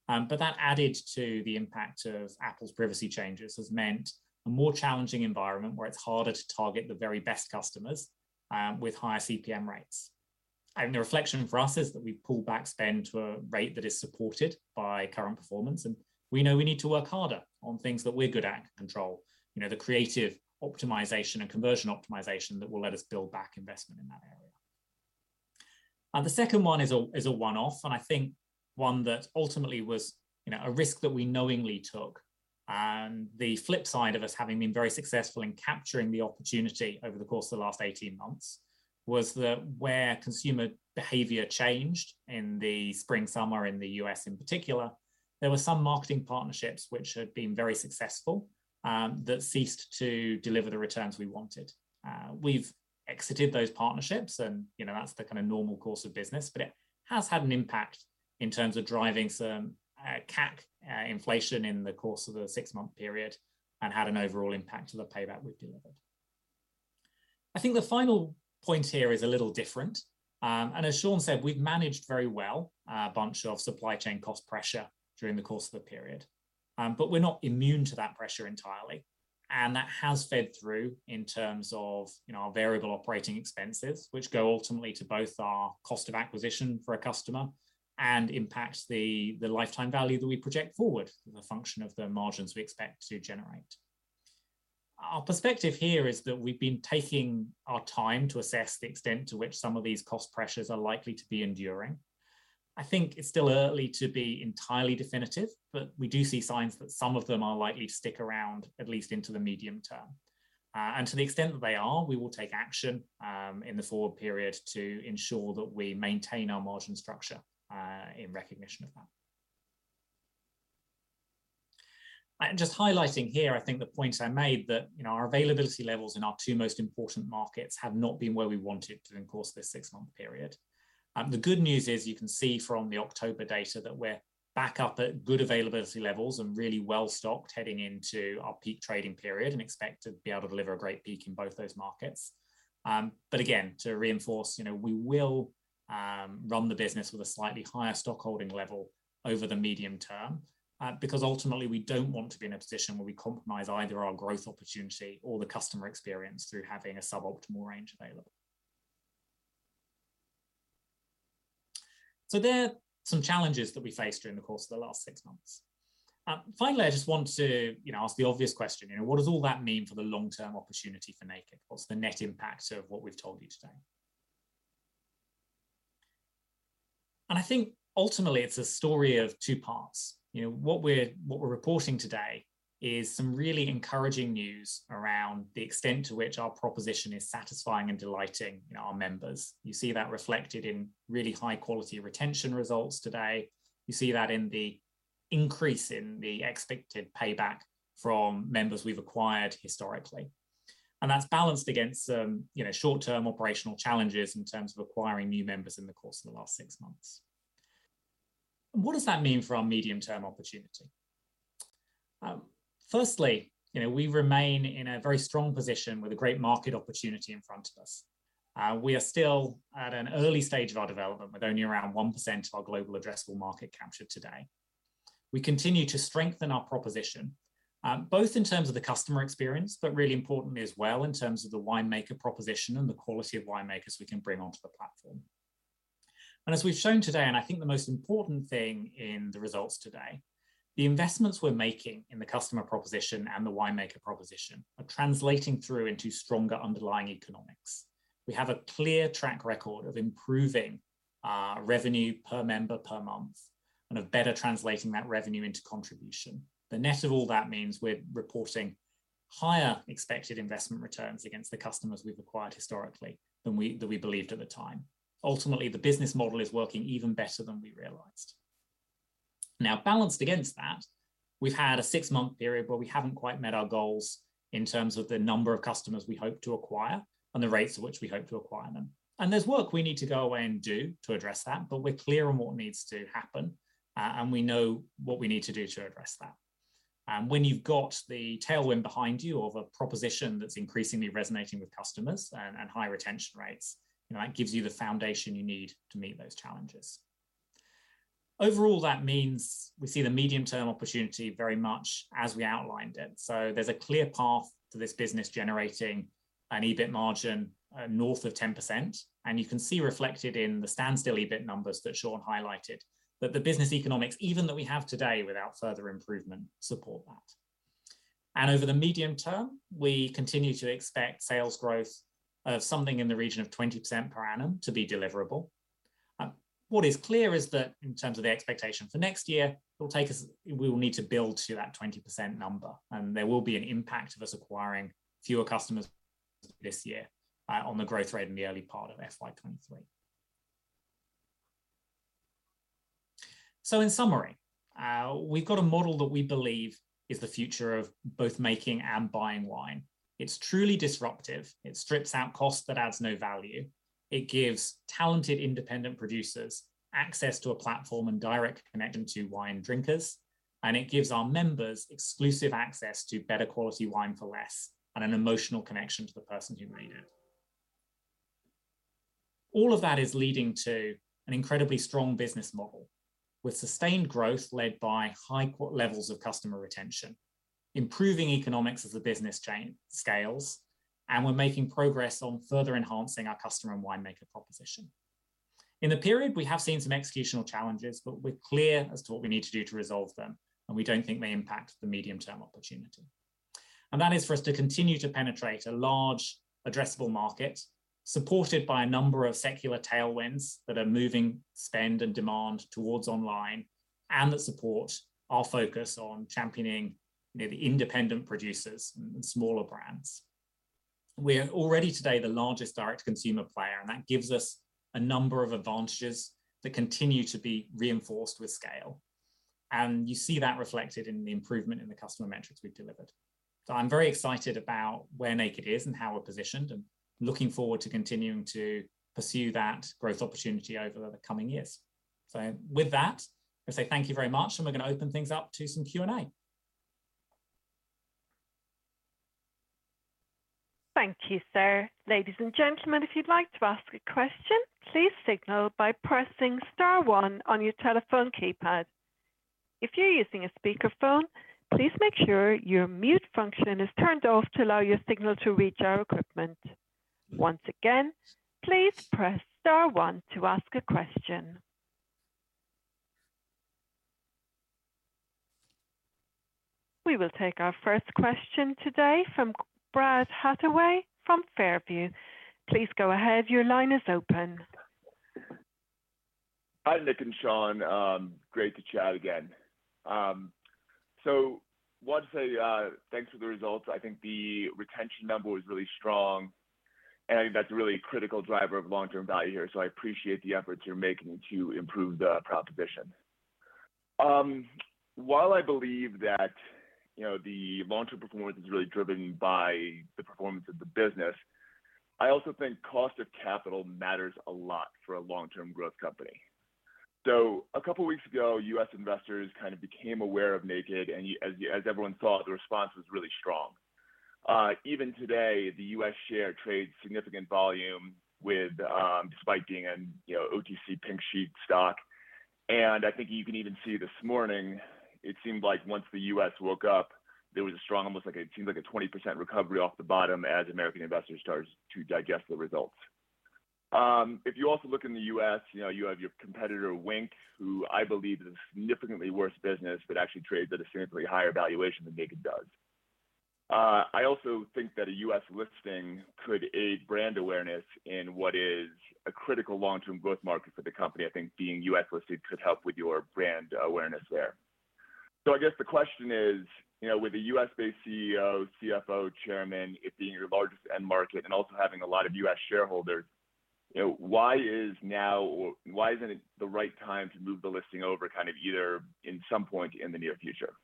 but that added to the impact of Apple's privacy changes has meant a more challenging environment where it's harder to target the very best customers, with higher CPM rates. The reflection for us is that we've pulled back spend to a rate that is supported by current performance, and we know we need to work harder on things that we're good at and can control, you know, the creative optimization and conversion optimization that will let us build back investment in that area. The second one is a one-off, and I think one that ultimately was, you know, a risk that we knowingly took, and the flip side of us having been very successful in capturing the opportunity over the course of the last 18 months was that where consumer behavior changed in the spring, summer in the U.S. in particular, there were some marketing partnerships which had been very successful that ceased to deliver the returns we wanted. We've exited those partnerships and, you know, that's the kind of normal course of business. It has had an impact in terms of driving some CAC inflation in the course of the six-month period and had an overall impact to the payback we've delivered. I think the final point here is a little different, and as Shawn said, we've managed very well a bunch of supply chain cost pressure during the course of the period, but we're not immune to that pressure entirely. That has fed through in terms of, you know, our variable operating expenses, which go ultimately to both our cost of acquisition for a customer and impact the lifetime value that we project forward as a function of the margins we expect to generate. Our perspective here is that we've been taking our time to assess the extent to which some of these cost pressures are likely to be enduring. I think it's still early to be entirely definitive, but we do see signs that some of them are likely to stick around at least into the medium term. To the extent that they are, we will take action, in the forward period, to ensure that we maintain our margin structure, in recognition of that. Just highlighting here, I think the point I made, that, you know, our availability levels in our two most important markets have not been where we wanted during the course of this six-month period. The good news is, you can see from the October data that we're back up at good availability levels and really well stocked heading into our peak trading period, and expect to be able to deliver a great peak in both those markets. Again, to reinforce, you know, we will run the business with a slightly higher stock holding level over the medium term, because ultimately we don't want to be in a position where we compromise either our growth opportunity or the customer experience through having a suboptimal range available. There are some challenges that we faced during the course of the last six months. Finally, I just want to, you know, ask the obvious question. You know, what does all that mean for the long-term opportunity for Naked Wines? What's the net impact of what we've told you today? I think ultimately it's a story of two parts. You know, what we're reporting today is some really encouraging news around the extent to which our proposition is satisfying and delighting, you know, our members. You see that reflected in really high quality retention results today. You see that in the increase in the expected payback from members we've acquired historically, and that's balanced against, you know, short-term operational challenges in terms of acquiring new members in the course of the last six months. What does that mean for our medium-term opportunity? Firstly, you know, we remain in a very strong position with a great market opportunity in front of us. We are still at an early stage of our development with only around 1% of our global addressable market captured today. We continue to strengthen our proposition, both in terms of the customer experience, but really importantly as well in terms of the winemaker proposition and the quality of winemakers we can bring onto the platform. As we've shown today, and I think the most important thing in the results today, the investments we're making in the customer proposition and the winemaker proposition are translating through into stronger underlying economics. We have a clear track record of improving our revenue per member per month and of better translating that revenue into contribution. The net of all that means we're reporting higher expected investment returns against the customers we've acquired historically than we believed at the time. Ultimately, the business model is working even better than we realized. Now, balanced against that, we've had a six-month period where we haven't quite met our goals in terms of the number of customers we hope to acquire and the rates at which we hope to acquire them. There's work we need to go away and do to address that, but we're clear on what needs to happen, and we know what we need to do to address that. When you've got the tailwind behind you of a proposition that's increasingly resonating with customers and high retention rates, you know, that gives you the foundation you need to meet those challenges. Overall, that means we see the medium-term opportunity very much as we outlined it. There's a clear path to this business generating an EBIT margin north of 10%. You can see reflected in the standstill EBIT numbers that Shawn highlighted that the business economics, even that we have today without further improvement, support that. Over the medium term, we continue to expect sales growth of something in the region of 20% per annum to be deliverable. What is clear is that in terms of the expectation for next year, we will need to build to that 20% number, and there will be an impact of us acquiring fewer customers this year on the growth rate in the early part of FY 2023. In summary, we've got a model that we believe is the future of both making and buying wine. It's truly disruptive. It strips out cost that adds no value. It gives talented independent producers access to a platform and direct connection to wine drinkers, and it gives our members exclusive access to better quality wine for less and an emotional connection to the person who made it. All of that is leading to an incredibly strong business model with sustained growth led by high levels of customer retention, improving economics as the business chain scales, and we're making progress on further enhancing our customer and winemaker proposition. In the period, we have seen some executional challenges, but we're clear as to what we need to do to resolve them, and we don't think they impact the medium-term opportunity. That is for us to continue to penetrate a large addressable market supported by a number of secular tailwinds that are moving spend and demand towards online and that support our focus on championing the independent producers and smaller brands. We're already today the largest direct-to-consumer player, and that gives us a number of advantages that continue to be reinforced with scale. You see that reflected in the improvement in the customer metrics we've delivered. I'm very excited about where Naked is and how we're positioned and looking forward to continuing to pursue that growth opportunity over the coming years. With that, I say thank you very much, and we're going to open things up to some Q&A. Thank you, sir. Ladies and gentlemen, if you'd like to ask a question, please signal by pressing star one on your telephone keypad. If you're using a speakerphone, please make sure your mute function is turned off to allow your signal to reach our equipment. Once again, please press star one to ask a question. We will take our first question today from Brad Hathaway from Far View. Please go ahead. Your line is open. Hi, Nick and Shawn. Great to chat again. Wanted to say, thanks for the results. I think the retention number was really strong, and I think that's a really critical driver of long-term value here. I appreciate the efforts you're making to improve the proposition. While I believe that, you know, the long-term performance is really driven by the performance of the business, I also think cost of capital matters a lot for a long-term growth company. A couple weeks ago, U.S. investors kind of became aware of Naked Wines, and as everyone thought, the response was really strong. Even today, the U.S. share trades significant volume despite being, you know, an OTC pink sheet stock. I think you can even see this morning, it seemed like once the U.S. woke up, there was a strong, it seems like a 20% recovery off the bottom as American investors started to digest the results. If you also look in the U.S., you know, you have your competitor, Winc, who I believe is a significantly worse business, but actually trades at a significantly higher valuation than Naked does. I also think that a U.S. listing could aid brand awareness in what is a critical long-term growth market for the company. I think being U.S. listed could help with your brand awareness there. I guess the question is, you know, with a U.S.-based CEO, CFO, chairman, it being your largest end market and also having a lot of U.S. shareholders, you know, why is now or why isn't it the right time to move the listing over kind of either at some point in the near future?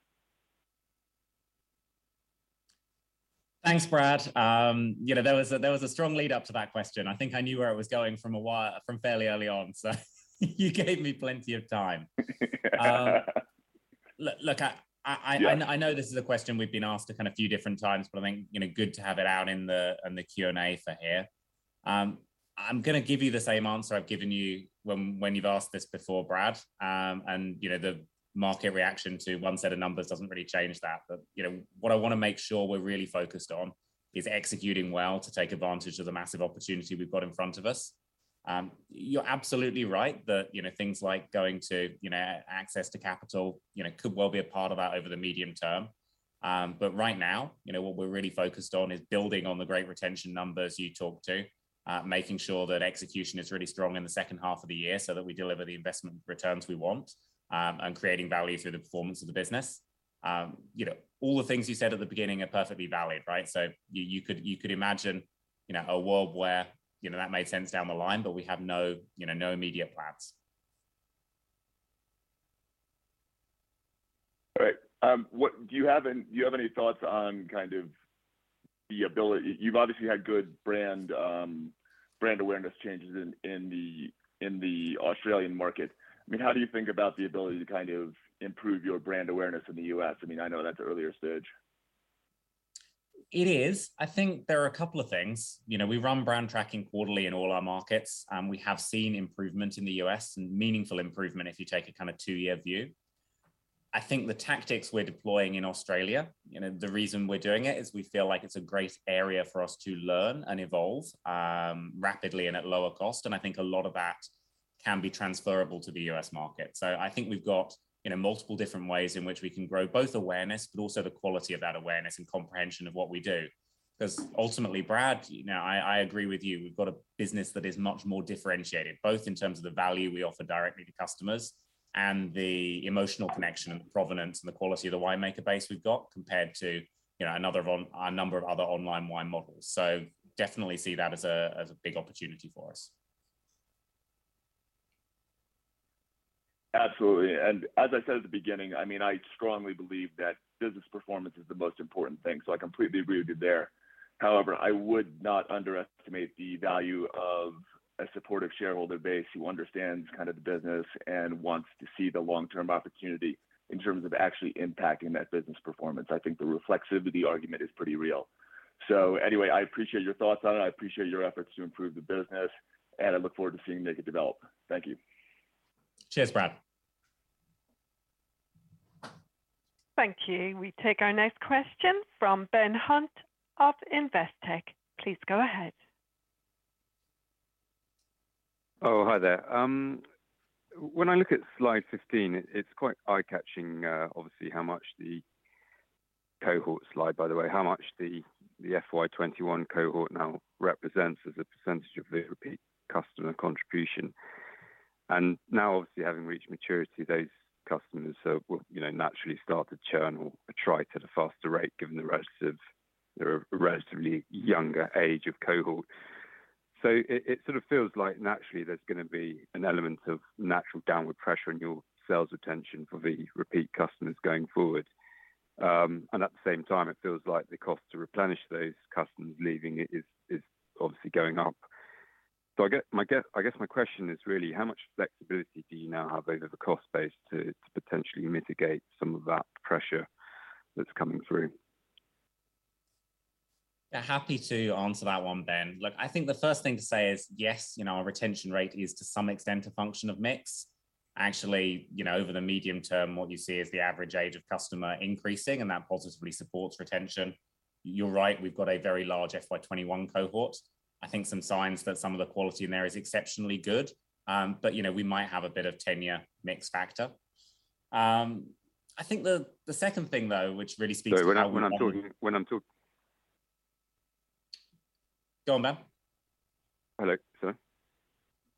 Thanks, Brad. You know, that was a strong lead up to that question. I think I knew where it was going from fairly early on. You gave me plenty of time. Look, I Yeah. I know this is a question we've been asked a kind of few different times, but I think, you know, good to have it out in the Q&A for here. I'm gonna give you the same answer I've given you when you've asked this before, Brad. You know, the market reaction to one set of numbers doesn't really change that. You know, what I wanna make sure we're really focused on is executing well to take advantage of the massive opportunity we've got in front of us. You're absolutely right that, you know, things like access to capital, you know, could well be a part of that over the medium term. Right now, you know, what we're really focused on is building on the great retention numbers you talked to, making sure that execution is really strong in the H2 of the year so that we deliver the investment returns we want, and creating value through the performance of the business. You know, all the things you said at the beginning are perfectly valid, right? You could imagine, you know, a world where, you know, that made sense down the line, but we have no, you know, no immediate plans. All right. Do you have any thoughts on kind of the ability? You've obviously had good brand awareness changes in the Australian market. I mean, how do you think about the ability to kind of improve your brand awareness in the U.S.? I mean, I know that's earlier stage. It is. I think there are a couple of things. You know, we run brand tracking quarterly in all our markets, and we have seen improvement in the U.S., and meaningful improvement if you take a kinda two-year view. I think the tactics we're deploying in Australia, you know, the reason we're doing it is we feel like it's a great area for us to learn and evolve rapidly and at lower cost, and I think a lot of that can be transferable to the U.S. market. I think we've got, you know, multiple different ways in which we can grow both awareness, but also the quality of that awareness and comprehension of what we do. 'Cause ultimately, Brad, you know, I agree with you. We've got a business that is much more differentiated, both in terms of the value we offer directly to customers and the emotional connection and provenance and the quality of the winemaker base we've got compared to, you know, another one of a number of other online wine models. Definitely see that as a big opportunity for us. Absolutely. As I said at the beginning, I mean, I strongly believe that business performance is the most important thing, so I completely agree with you there. However, I would not underestimate the value of a supportive shareholder base who understands kind of the business and wants to see the long-term opportunity in terms of actually impacting that business performance. I think the reflexivity argument is pretty real. Anyway, I appreciate your thoughts on it. I appreciate your efforts to improve the business, and I look forward to seeing Naked develop. Thank you. Cheers, Brad. Thank you. We take our next question from Ben Hunt of Investec. Please go ahead. When I look at slide 15, it's quite eye-catching, obviously how much the FY 2021 cohort now represents as a percentage of the repeat customer contribution. Now, obviously, having reached maturity, those customers sort of will, you know, naturally start to churn or attrite at a faster rate given the relatively younger age of cohort. It sort of feels like naturally there's gonna be an element of natural downward pressure on your sales retention for the repeat customers going forward. At the same time, it feels like the cost to replenish those customers leaving is obviously going up. I guess my question is really how much flexibility do you now have over the cost base to potentially mitigate some of that pressure that's coming through? Happy to answer that one, Ben. Look, I think the first thing to say is, yes, you know, our retention rate is to some extent a function of mix. Actually, you know, over the medium term, what you see is the average age of customer increasing, and that positively supports retention. You're right, we've got a very large FY 2021 cohort. I think some signs that some of the quality in there is exceptionally good, but you know, we might have a bit of tenure mix factor. I think the second thing though, which really speaks to how we're. Sorry, when I'm talking. Go on, Ben. Hello. Sorry.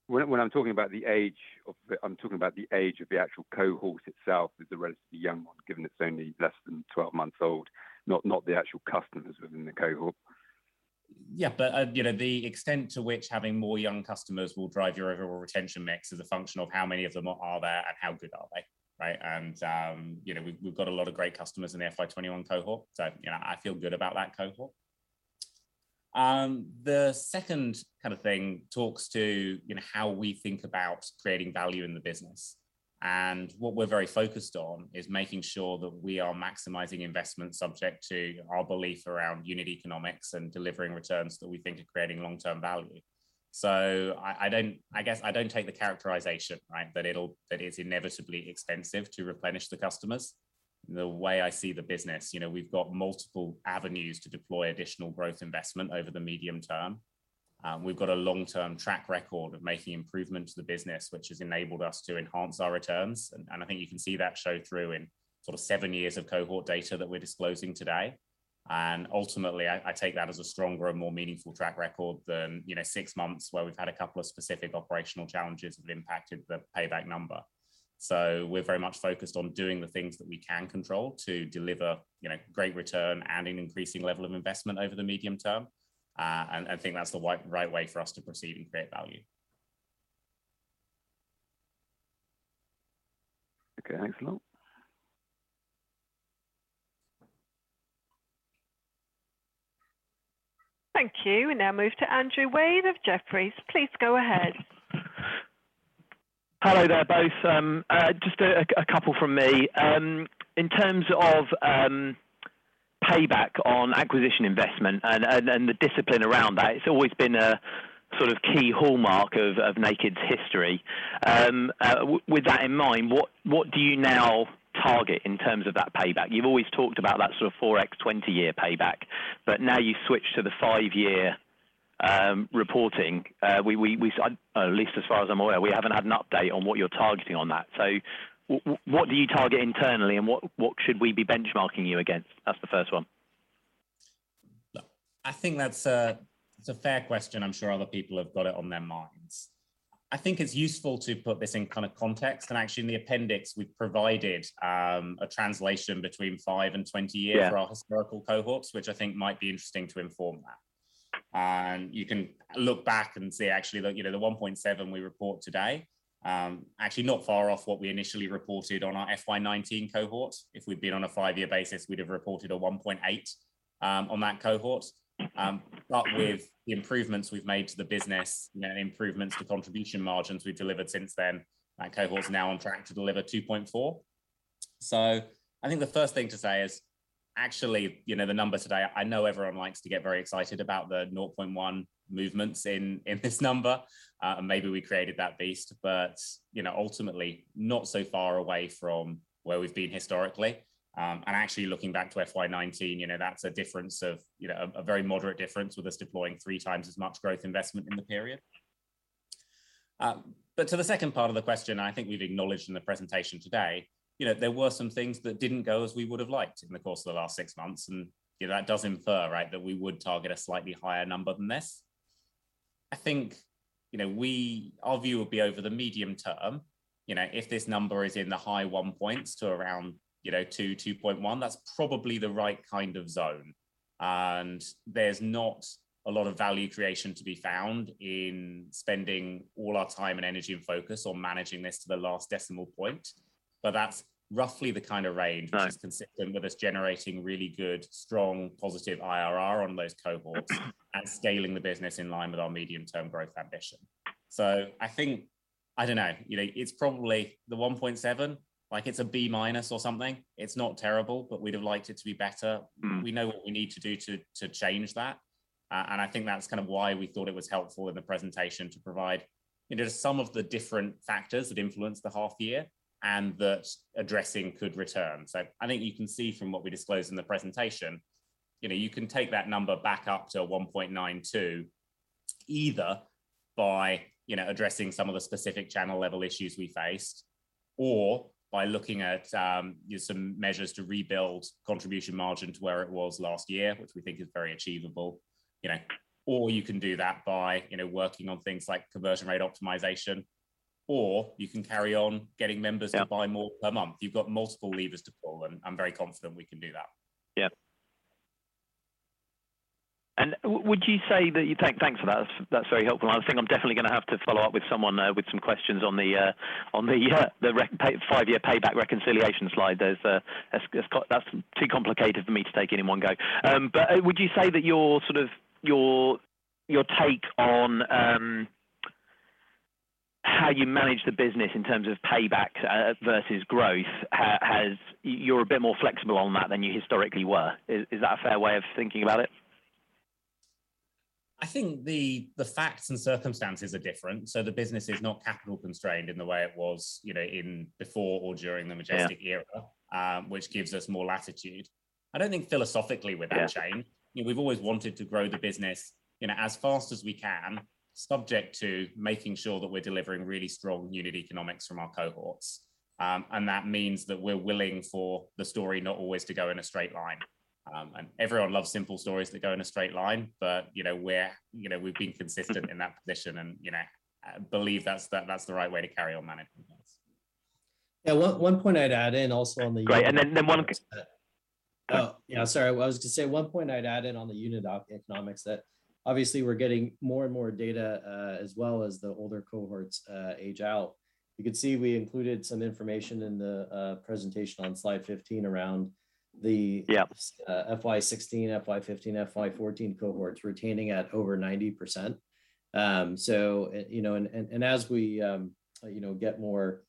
When I'm talking about the age of the actual cohort itself is a relatively young one, given it's only less than 12 months old, not the actual customers within the cohort. Yeah, but you know, the extent to which having more young customers will drive your overall retention mix is a function of how many of them are there and how good are they, right? You know, we've got a lot of great customers in the FY 2021 cohort, so you know, I feel good about that cohort. The second kind of thing talks to you know, how we think about creating value in the business. What we're very focused on is making sure that we are maximizing investment subject to our belief around unit economics and delivering returns that we think are creating long-term value. I guess I don't take the characterization, right? That it's inevitably expensive to replenish the customers. The way I see the business, you know, we've got multiple avenues to deploy additional growth investment over the medium term. We've got a long-term track record of making improvement to the business, which has enabled us to enhance our returns. I think you can see that show through in sort of seven years of cohort data that we're disclosing today. Ultimately, I take that as a stronger and more meaningful track record than, you know, six months where we've had a couple of specific operational challenges that impacted the payback number. We're very much focused on doing the things that we can control to deliver, you know, great return and an increasing level of investment over the medium term. I think that's the right way for us to proceed and create value. Okay. Thanks a lot. Thank you. We now move to Andrew Wade of Jefferies. Please go ahead. Hello there both. Just a couple from me. In terms of payback on acquisition investment and the discipline around that, it's always been a sort of key hallmark of Naked's history. With that in mind, what do you now target in terms of that payback? You've always talked about that sort of 4x 20-year payback, but now you've switched to the five-year reporting. At least as far as I'm aware, we haven't had an update on what you're targeting on that. What do you target internally and what should we be benchmarking you against? That's the first one. Look, I think that's a fair question. I'm sure other people have got it on their minds. I think it's useful to put this in kind of context, and actually in the appendix we've provided a translation between five and 20 years. Yeah. For our historical cohorts, which I think might be interesting to inform that. You can look back and see actually, look, you know, the 1.7 we report today, actually not far off what we initially reported on our FY 2019 cohort. If we'd been on a five-year basis, we'd have reported a 1.8 on that cohort. But with the improvements we've made to the business, you know, improvements to contribution margins we've delivered since then, that cohort's now on track to deliver 2.4. I think the first thing to say is actually, you know, the number today, I know everyone likes to get very excited about the 0.1 movements in this number. Maybe we created that beast, but you know, ultimately not so far away from where we've been historically. Actually looking back to FY 2019, you know, that's a difference of, you know, a very moderate difference with us deploying three times as much growth investment in the period. To the second part of the question, I think we've acknowledged in the presentation today, you know, there were some things that didn't go as we would've liked in the course of the last six months, and, you know, that does infer, right, that we would target a slightly higher number than this. I think, you know, our view would be over the medium term, you know, if this number is in the high 1 points to around, you know, 2.1, that's probably the right kind of zone, and there's not a lot of value creation to be found in spending all our time and energy and focus on managing this to the last decimal point. That's roughly the kind of range. Right which is consistent with us generating really good, strong positive IRR on those cohorts and scaling the business in line with our medium-term growth ambition. I think, I don't know, you know, it's probably the 1.7, like it's a B-minus or something. It's not terrible, but we'd have liked it to be better. Mm. We know what we need to do to change that. I think that's kind of why we thought it was helpful in the presentation to provide, you know, some of the different factors that influenced the half year and that addressing could return. I think you can see from what we disclosed in the presentation, you know, you can take that number back up to 1.92 either by, you know, addressing some of the specific channel level issues we faced, or by looking at, you know, some measures to rebuild contribution margin to where it was last year, which we think is very achievable. You know, or you can do that by, you know, working on things like conversion rate optimization, or you can carry on getting members. Yeah. to buy more per month. You've got multiple levers to pull and I'm very confident we can do that. Yeah. Thanks for that. That's very helpful. I think I'm definitely gonna have to follow up with someone with some questions on the. Yeah The five-year payback reconciliation slide. That's quite too complicated for me to take in in one go. Would you say that your sort of take on how you manage the business in terms of payback versus growth has. You're a bit more flexible on that than you historically were. Is that a fair way of thinking about it? I think the facts and circumstances are different, so the business is not capital constrained in the way it was, you know, in before or during the Majestic era. Yeah Which gives us more latitude. I don't think philosophically we've changed. Yeah. You know, we've always wanted to grow the business, you know, as fast as we can, subject to making sure that we're delivering really strong unit economics from our cohorts. That means that we're willing for the story not always to go in a straight line. Everyone loves simple stories that go in a straight line, but you know, we're, you know, we've been consistent in that position and, you know, believe that's the right way to carry on managing this. Yeah. One point I'd add in also on the- Great. Oh, yeah, sorry. I was to say one point I'd add in on the unit economics that obviously we're getting more and more data, as well as the older cohorts age out. You could see we included some information in the presentation on slide 15 around the. Yeah. FY 2016, FY 2015, FY 2014 cohorts retaining at over 90%. So and you know as we you know get more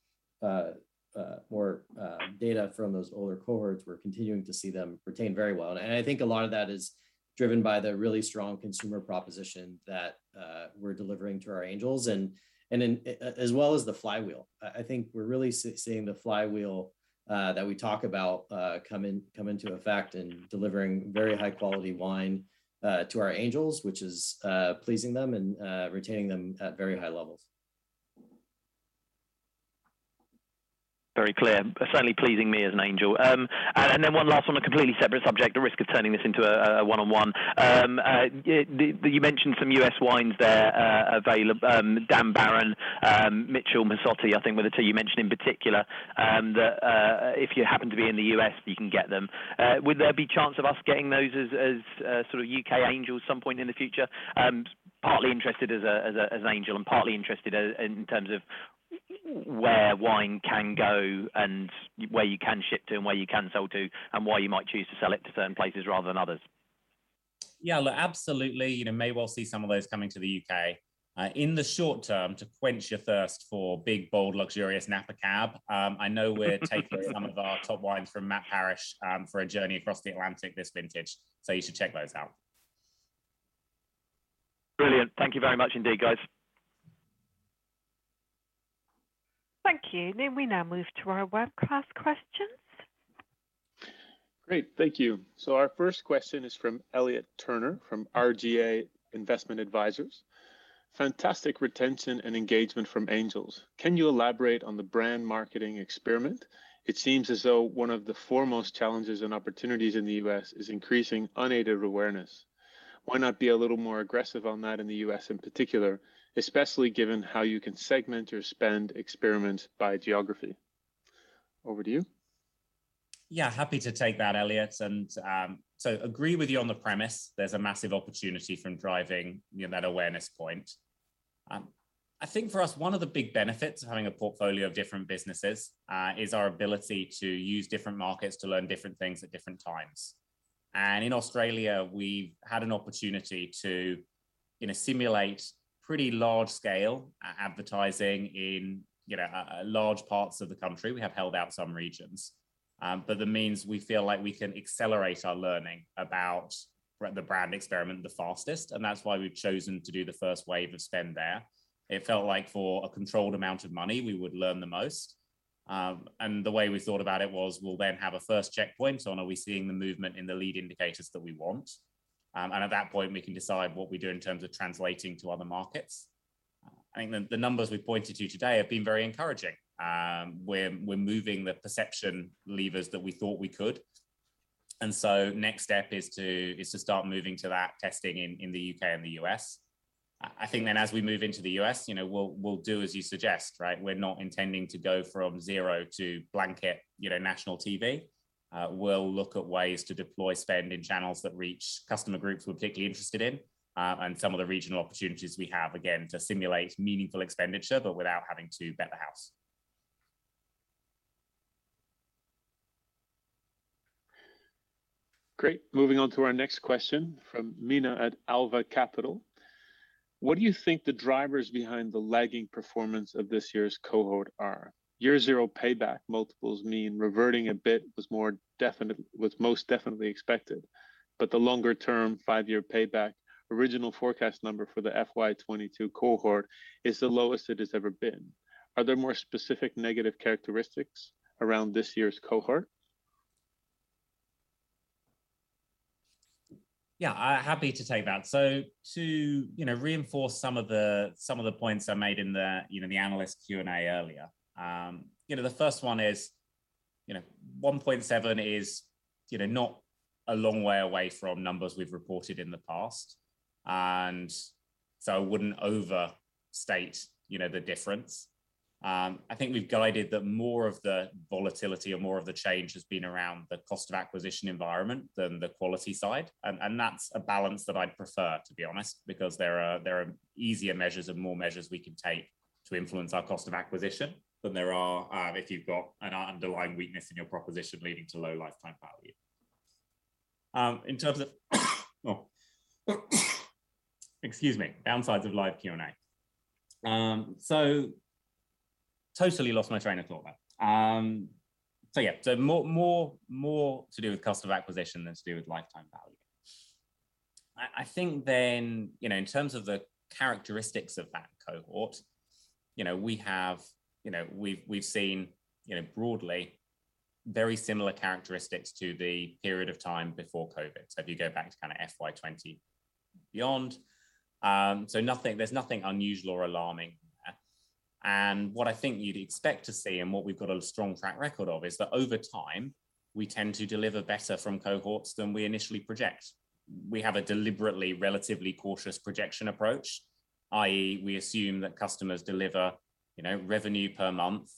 data from those older cohorts, we're continuing to see them retain very well. I think a lot of that is driven by the really strong consumer proposition that we're delivering to our Angels and then as well as the flywheel. I think we're really seeing the flywheel that we talk about come into effect in delivering very high quality wine to our Angels, which is pleasing them and retaining them at very high levels. Very clear. Certainly pleasing me as an Angel. One last on a completely separate subject, the risk of turning this into a one-on-one. You mentioned some U.S. wines there, available, Dan Baron, Mitchell Masotti, I think were the two you mentioned in particular, that if you happen to be in the U.S., you can get them. Would there be chance of us getting those as sort of U.K. Angels some point in the future? Partly interested as an Angel and partly interested as in terms of where wine can go and where you can ship to and where you can sell to, and why you might choose to sell it to certain places rather than others. Yeah, look, absolutely, you know, you may well see some of those coming to the U.K. In the short term, to quench your thirst for big, bold, luxurious Napa Cab, I know we're taking some of our top wines from Matt Parrish for a journey across the Atlantic this vintage, so you should check those out. Brilliant. Thank you very much indeed, guys. Thank you. May we now move to our webcast questions? Great. Thank you. Our first question is from Elliot Turner from RGA Investment Advisors. Fantastic retention and engagement from Angels. Can you elaborate on the brand marketing experiment? It seems as though one of the foremost challenges and opportunities in the U.S. is increasing unaided awareness. Why not be a little more aggressive on that in the U.S. in particular, especially given how you can segment your spend experiment by geography? Over to you. Yeah, happy to take that, Elliot. I agree with you on the premise. There's a massive opportunity from driving, you know, that awareness point. I think for us, one of the big benefits of having a portfolio of different businesses is our ability to use different markets to learn different things at different times. In Australia, we've had an opportunity to, you know, simulate pretty large scale advertising in, you know, large parts of the country. We have held out some regions. That means we feel like we can accelerate our learning about the brand experiment the fastest, and that's why we've chosen to do the first wave of spend there. It felt like for a controlled amount of money, we would learn the most. The way we thought about it was we'll then have a first checkpoint on are we seeing the movement in the lead indicators that we want. At that point, we can decide what we do in terms of translating to other markets. I think the numbers we've pointed to you today have been very encouraging. We're moving the perception levers that we thought we could. Next step is to start moving to that testing in the U.K. and the U.S. I think then as we move into the U.S., you know, we'll do as you suggest, right? We're not intending to go from zero to blanket, you know, national TV. We'll look at ways to deploy spend in channels that reach customer groups we're particularly interested in, and some of the regional opportunities we have, again, to simulate meaningful expenditure, but without having to bet the house. Great. Moving on to our next question from Mina at Alva Capital. What do you think the drivers behind the lagging performance of this year's cohort are? Year zero payback multiples mean reverting a bit was most definitely expected. The longer-term five-year payback original forecast number for the FY 2022 cohort is the lowest it has ever been. Are there more specific negative characteristics around this year's cohort? Yeah, happy to take that. To, you know, reinforce some of the points I made in the analyst Q&A earlier. You know, the first one is 1.7, you know, not a long way away from numbers we've reported in the past, and so I wouldn't overstate the difference. I think we've guided that more of the volatility or more of the change has been around the cost of acquisition environment than the quality side. That's a balance that I'd prefer, to be honest, because there are easier measures and more measures we can take to influence our cost of acquisition than there are if you've got an underlying weakness in your proposition leading to low lifetime value. In terms of, excuse me, downsides of live Q&A. Totally lost my train of thought then. Yeah. More to do with cost of acquisition than to do with lifetime value. I think then, you know, in terms of the characteristics of that cohort, you know, we've seen, you know, broadly very similar characteristics to the period of time before COVID. If you go back to kind of FY 2020 and beyond, there's nothing unusual or alarming. What I think you'd expect to see and what we've got a strong track record of is that over time, we tend to deliver better from cohorts than we initially project. We have a deliberately relatively cautious projection approach, i.e., we assume that customers deliver, you know, revenue per month,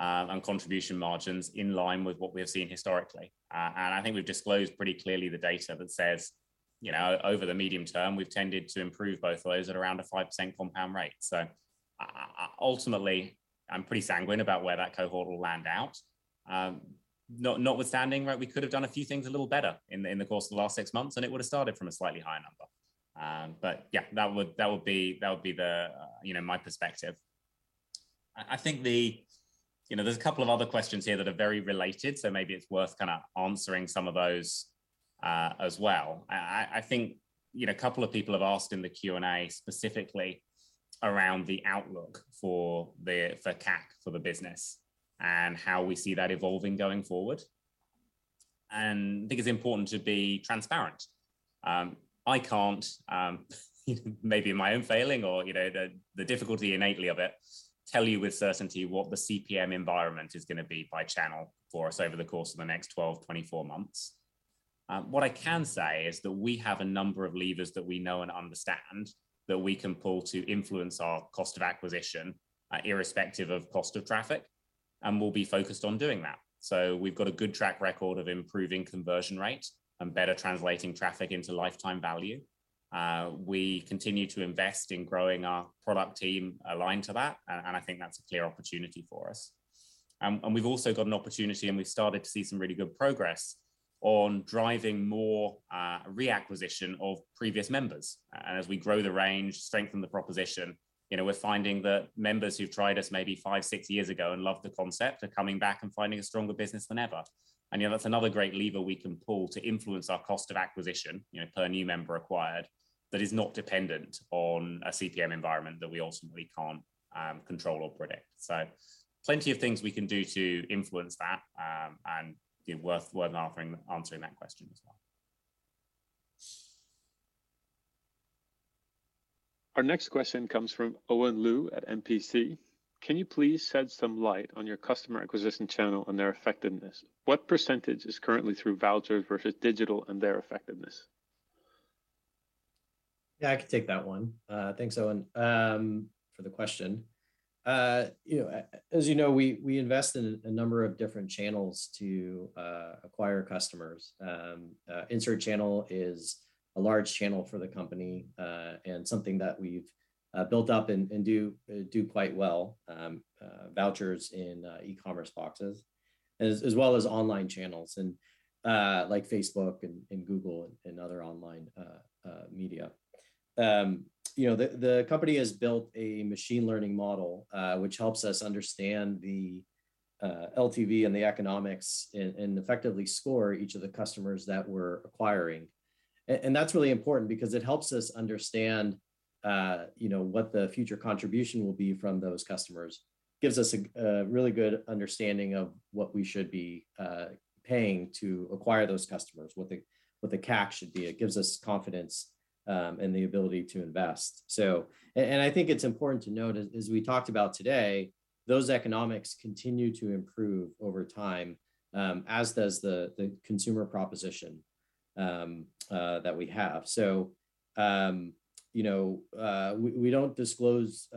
and contribution margins in line with what we have seen historically. I think we've disclosed pretty clearly the data that says, you know, over the medium term, we've tended to improve both those at around a 5% compound rate. Ultimately, I'm pretty sanguine about where that cohort will land out, notwithstanding, right, we could have done a few things a little better in the course of the last six months, and it would have started from a slightly higher number. But yeah, that would be the, you know, my perspective. I think you know, there's a couple of other questions here that are very related, so maybe it's worth kinda answering some of those, as well. I think, you know, a couple of people have asked in the Q&A specifically around the outlook for the, for CAC, for the business and how we see that evolving going forward. I think it's important to be transparent. I can't, maybe my own failing or, you know, the difficulty innately of it, tell you with certainty what the CPM environment is gonna be by channel for us over the course of the next 12, 24 months. What I can say is that we have a number of levers that we know and understand that we can pull to influence our cost of acquisition, irrespective of cost of traffic, and we'll be focused on doing that. We've got a good track record of improving conversion rate and better translating traffic into lifetime value. We continue to invest in growing our product team aligned to that, and I think that's a clear opportunity for us. We've also got an opportunity, and we've started to see some really good progress on driving more reacquisition of previous members. As we grow the range, strengthen the proposition, you know, we're finding that members who've tried us maybe five, six years ago and loved the concept are coming back and finding a stronger business than ever. You know, that's another great lever we can pull to influence our cost of acquisition, you know, per new member acquired, that is not dependent on a CPM environment that we ultimately can't control or predict. Plenty of things we can do to influence that, and, you know, answering that question as well. Our next question comes from Owen Lu at MPC. Can you please shed some light on your customer acquisition channel and their effectiveness? What percentage is currently through vouchers versus digital and their effectiveness? Yeah, I can take that one. Thanks, Owen, for the question. You know, as you know, we invest in a number of different channels to acquire customers. In-store channel is a large channel for the company, and something that we've built up and do quite well. Vouchers in e-commerce boxes as well as online channels and like Facebook and Google and other online media. You know, the company has built a machine learning model which helps us understand the LTV and the economics and effectively score each of the customers that we're acquiring. That's really important because it helps us understand you know, what the future contribution will be from those customers. Gives us a really good understanding of what we should be paying to acquire those customers, what the CAC should be. It gives us confidence and the ability to invest. I think it's important to note as we talked about today, those economics continue to improve over time, as does the consumer proposition that we have. We don't disclose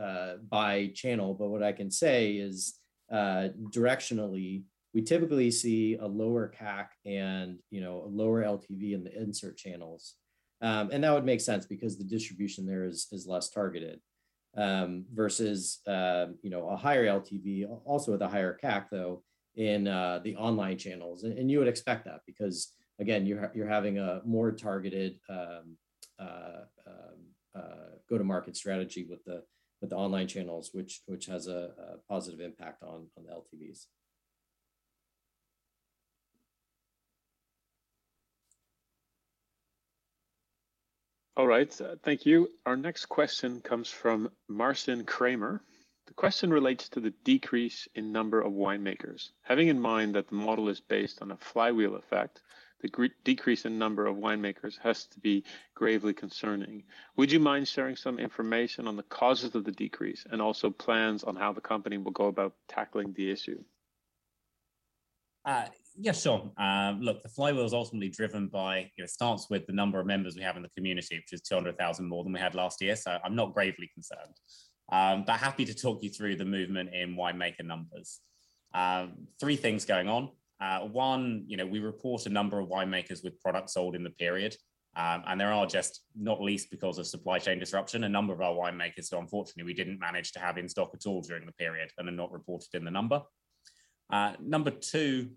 by channel, but what I can say is directionally, we typically see a lower CAC and a lower LTV in the in-store channels. That would make sense because the distribution there is less targeted versus a higher LTV also with a higher CAC, though in the online channels. You would expect that because, again, you're having a more targeted go-to-market strategy with the online channels, which has a positive impact on LTVs. All right. Thank you. Our next question comes from Marcin Kramer. The question relates to the decrease in number of winemakers. Having in mind that the model is based on a flywheel effect, the decrease in number of winemakers has to be gravely concerning. Would you mind sharing some information on the causes of the decrease and also plans on how the company will go about tackling the issue? Yeah, sure. Look, the flywheel is ultimately driven by, you know, it starts with the number of members we have in the community, which is 200,000 more than we had last year, so I'm not gravely concerned. But happy to talk you through the movement in winemaker numbers. Three things going on. One, you know, we report a number of winemakers with product sold in the period, and there are just, not least because of supply chain disruption, a number of our winemakers that unfortunately we didn't manage to have in stock at all during the period and are not reported in the number. Number two,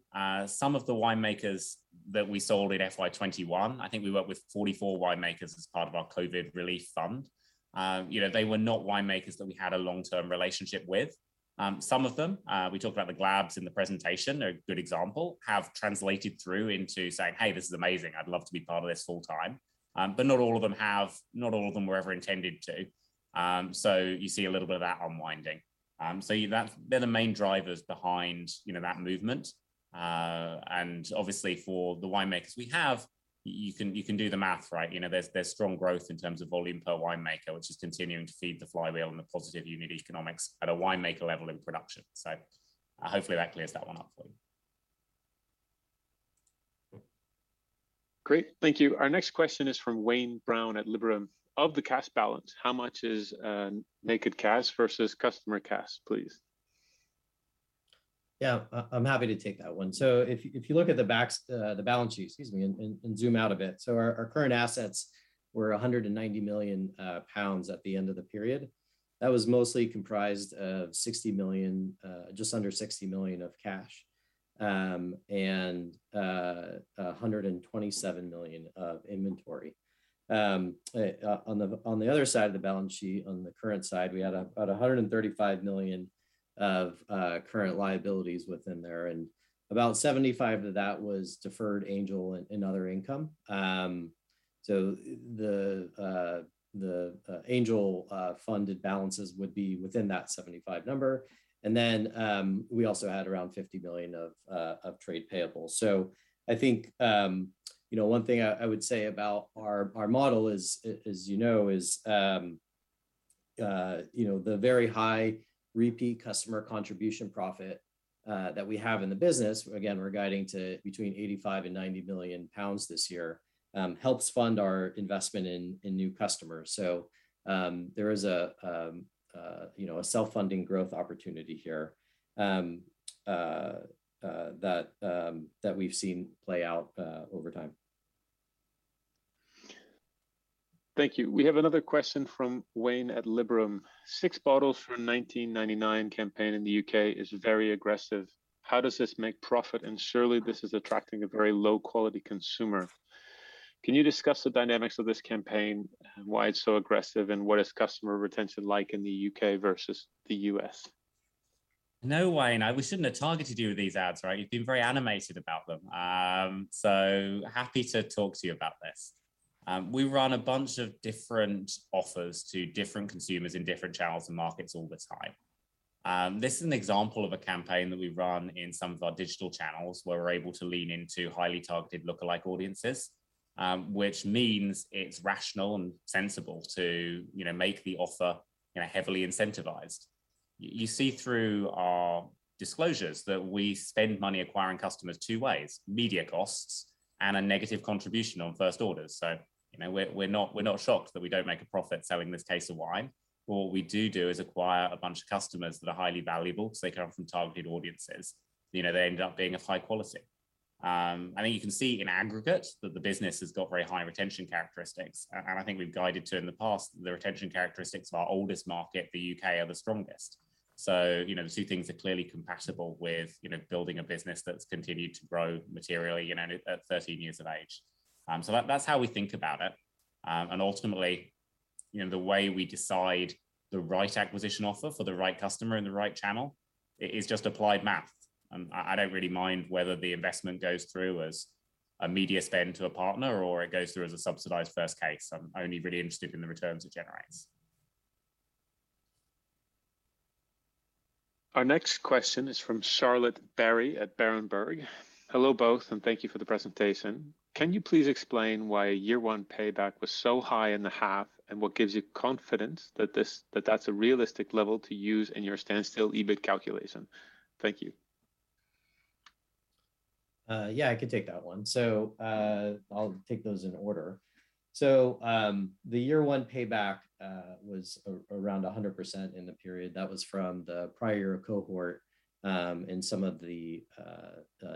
some of the winemakers that we sold in FY 2021, I think we worked with 44 winemakers as part of our COVID relief fund. You know, they were not winemakers that we had a long-term relationship with. Some of them, we talked about the Glaabs in the presentation, they're a good example, have translated through into saying, "Hey, this is amazing. I'd love to be part of this full time." Not all of them have, not all of them were ever intended to. You see a little bit of that unwinding. They're the main drivers behind, you know, that movement. Obviously, for the winemakers we have, you can do the math, right? You know, there's strong growth in terms of volume per winemaker, which is continuing to feed the flywheel and the positive unit economics at a winemaker level in production. Hopefully, that clears that one up for you. Great. Thank you. Our next question is from Wayne Brown at Liberum. Of the cash balance, how much is Naked cash versus customer cash, please? I'm happy to take that one. If you look at the balance sheet, excuse me, and zoom out a bit. Our current assets were 100 million pounds at the end of the period. That was mostly comprised of just under 60 million of cash and 127 million of inventory. On the other side of the balance sheet, on the current side, we had about 135 million of current liabilities within there, and about 75 of that was deferred Angel and other income. The Angel funded balances would be within that 75 number. We also had around 50 million of trade payables. I think, you know, one thing I would say about our model is, as you know, the very high repeat customer contribution profit that we have in the business. Again, we're guiding to between 85 million and 90 million pounds this year, helps fund our investment in new customers. There is, you know, a self-funding growth opportunity here that we've seen play out over time. Thank you. We have another question from Wayne Brown at Liberum. Six bottles from 1999 campaign in the U.K. is very aggressive. How does this make profit? Surely this is attracting a very low quality consumer. Can you discuss the dynamics of this campaign, why it's so aggressive, and what is customer retention like in the U.K. versus the U.S.? No, Wayne. We shouldn't have targeted you with these ads, right? You've been very animated about them. Happy to talk to you about this. We run a bunch of different offers to different consumers in different channels and markets all the time. This is an example of a campaign that we run in some of our digital channels where we're able to lean into highly targeted lookalike audiences, which means it's rational and sensible to, you know, make the offer, you know, heavily incentivized. You see through our disclosures that we spend money acquiring customers two ways, media costs and a negative contribution on first orders. You know, we're not shocked that we don't make a profit selling this case of wine. What we do is acquire a bunch of customers that are highly valuable because they come from targeted audiences. You know, they end up being of high quality. I think you can see in aggregate that the business has got very high retention characteristics. I think we've guided to in the past, the retention characteristics of our oldest market, the U.K., are the strongest. You know, the two things are clearly compatible with, you know, building a business that's continued to grow materially, you know, at 13 years of age. That's how we think about it. Ultimately, you know, the way we decide the right acquisition offer for the right customer in the right channel is just applied math. I don't really mind whether the investment goes through as a media spend to a partner or it goes through as a subsidized first case. I'm only really interested in the returns it generates. Our next question is from Charlotte Barrie at Berenberg. Hello, both, and thank you for the presentation. Can you please explain why year one payback was so high in the half, and what gives you confidence that that's a realistic level to use in your standstill EBIT calculation? Thank you. Yeah, I can take that one. I'll take those in order. The year one payback was around 100% in the period. That was from the prior cohort in some of the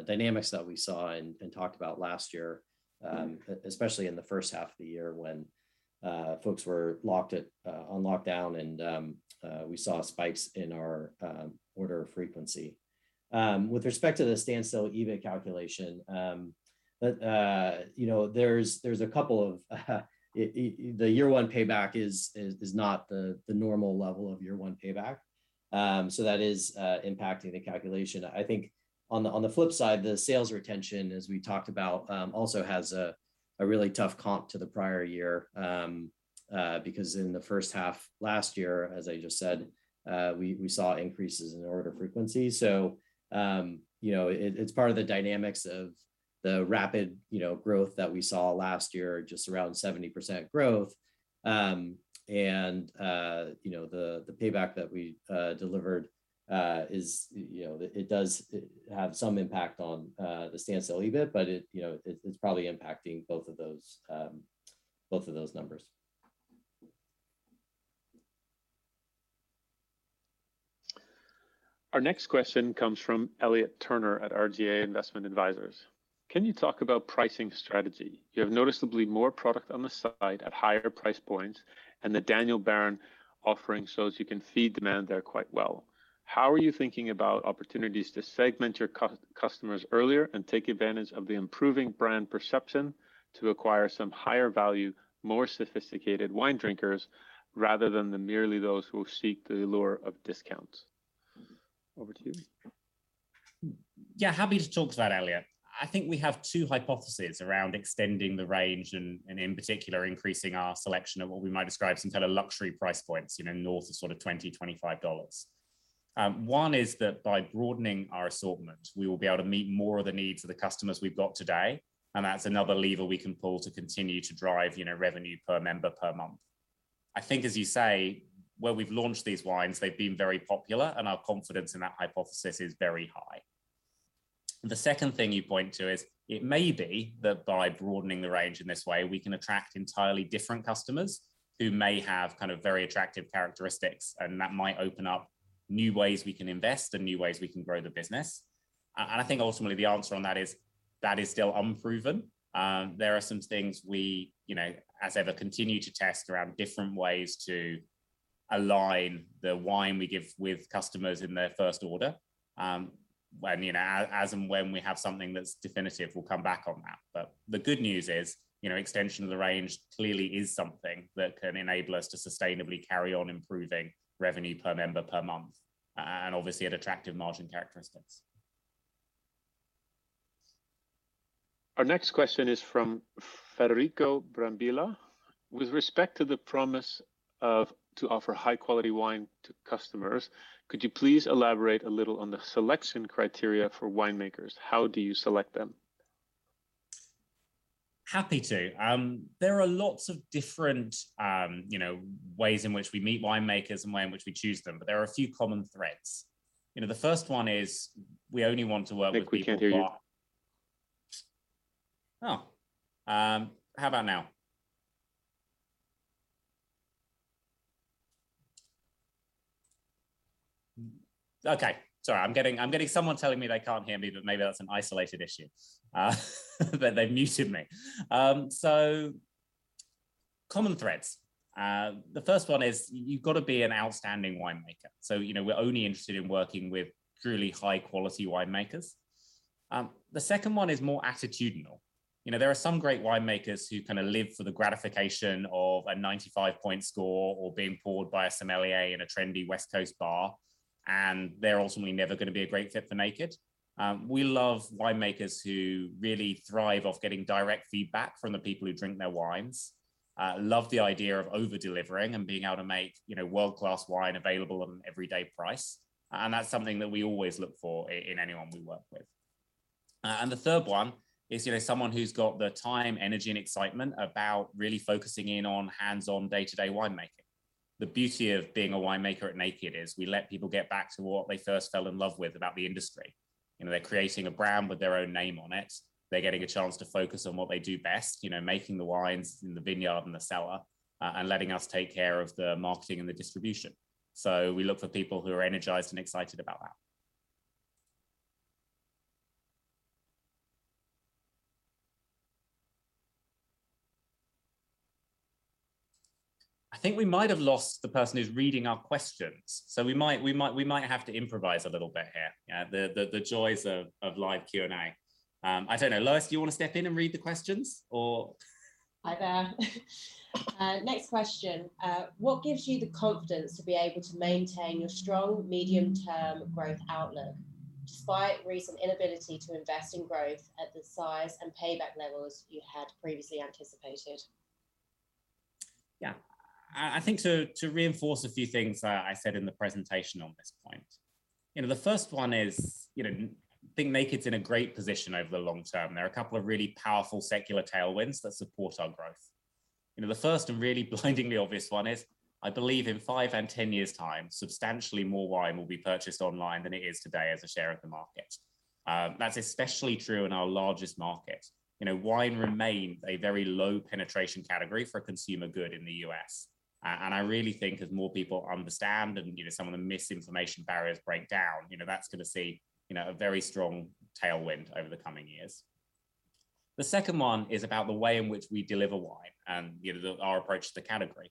dynamics that we saw and talked about last year, especially in the H1 of the year when folks were locked down on lockdown and we saw spikes in our order frequency. With respect to the standstill EBIT calculation, you know, there's a couple of. The year one payback is not the normal level of year one payback, so that is impacting the calculation. I think on the flip side, the sales retention, as we talked about, also has a really tough comp to the prior year, because in the H1 last year, as I just said, we saw increases in order frequency. You know, it's part of the dynamics of the rapid, you know, growth that we saw last year, just around 70% growth. You know, the payback that we delivered is, you know, it does have some impact on the standstill EBIT, but it, you know, it's probably impacting both of those numbers. Our next question comes from Elliot Turner at RGA Investment Advisors. Can you talk about pricing strategy? You have noticeably more product on the site at higher price points, and the Daniel Baron offering shows you can feed demand there quite well. How are you thinking about opportunities to segment your customers earlier and take advantage of the improving brand perception to acquire some higher value, more sophisticated wine drinkers rather than merely those who seek the lure of discounts? Over to you. Yeah, happy to talk to that, Elliot. I think we have two hypotheses around extending the range and in particular, increasing our selection of what we might describe as some kind of luxury price points, you know, north of sort of $20-$25. One is that by broadening our assortment, we will be able to meet more of the needs of the customers we've got today, and that's another lever we can pull to continue to drive, you know, revenue per member per month. I think as you say, where we've launched these wines, they've been very popular, and our confidence in that hypothesis is very high. The second thing you point to is it may be that by broadening the range in this way, we can attract entirely different customers who may have kind of very attractive characteristics, and that might open up new ways we can invest and new ways we can grow the business. I think ultimately the answer on that is that is still unproven. There are some things we, you know, as ever, continue to test around different ways to align the wine we give with customers in their first order. I mean, as and when we have something that's definitive, we'll come back on that. The good news is, you know, extension of the range clearly is something that can enable us to sustainably carry on improving revenue per member per month, and obviously at attractive margin characteristics. Our next question is from Federico Brambilla. With respect to the promise to offer high-quality wine to customers, could you please elaborate a little on the selection criteria for winemakers? How do you select them? Happy to. There are lots of different, you know, ways in which we meet winemakers and way in which we choose them, but there are a few common threads. You know, the first one is we only want to work with people who are. Nick, we can't hear you. How about now? Okay. Sorry, I'm getting someone telling me they can't hear me, but maybe that's an isolated issue. That they've muted me. Common threads. The first one is you've got to be an outstanding winemaker. You know, we're only interested in working with truly high quality winemakers. The second one is more attitudinal. You know, there are some great winemakers who kind of live for the gratification of a 95-point score or being poured by a sommelier in a trendy West Coast bar, and they're ultimately never going to be a great fit for Naked Wines. We love winemakers who really thrive off getting direct feedback from the people who drink their wines, love the idea of over delivering and being able to make, you know, world-class wine available at an everyday price, and that's something that we always look for in anyone we work with. The third one is, you know, someone who's got the time, energy, and excitement about really focusing in on hands-on day-to-day winemaking. The beauty of being a winemaker at Naked is we let people get back to what they first fell in love with about the industry. You know, they're creating a brand with their own name on it. They're getting a chance to focus on what they do best, you know, making the wines in the vineyard and the cellar, and letting us take care of the marketing and the distribution. We look for people who are energized and excited about that. I think we might have lost the person who's reading our questions, so we might have to improvise a little bit here. The joys of live Q&A. I don't know. Lois, do you want to step in and read the questions or? Hi there. Next question. What gives you the confidence to be able to maintain your strong medium-term growth outlook despite recent inability to invest in growth at the size and payback levels you had previously anticipated? Yeah. I think to reinforce a few things that I said in the presentation on this point. You know, the first one is, you know, I think Naked's in a great position over the long term. There are a couple of really powerful secular tailwinds that support our growth. You know, the first and really blindingly obvious one is, I believe in five and 10 years' time, substantially more wine will be purchased online than it is today as a share of the market. That's especially true in our largest market. You know, wine remains a very low penetration category for a consumer good in the U.S. And I really think as more people understand and, you know, some of the misinformation barriers break down, you know, that's going to see, you know, a very strong tailwind over the coming years. The second one is about the way in which we deliver wine and, you know, our approach to the category.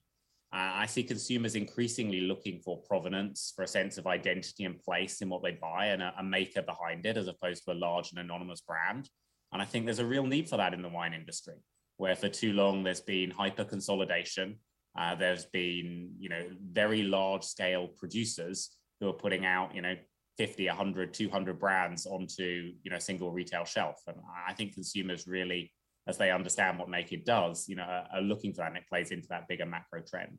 I see consumers increasingly looking for provenance, for a sense of identity and place in what they buy and a maker behind it, as opposed to a large and anonymous brand. I think there's a real need for that in the wine industry, where for too long there's been hyper consolidation. There's been, you know, very large scale producers who are putting out, you know, 50, 100, 200 brands onto, you know, a single retail shelf. I think consumers really, as they understand what Naked Wines does, you know, are looking for that, and it plays into that bigger macro trend.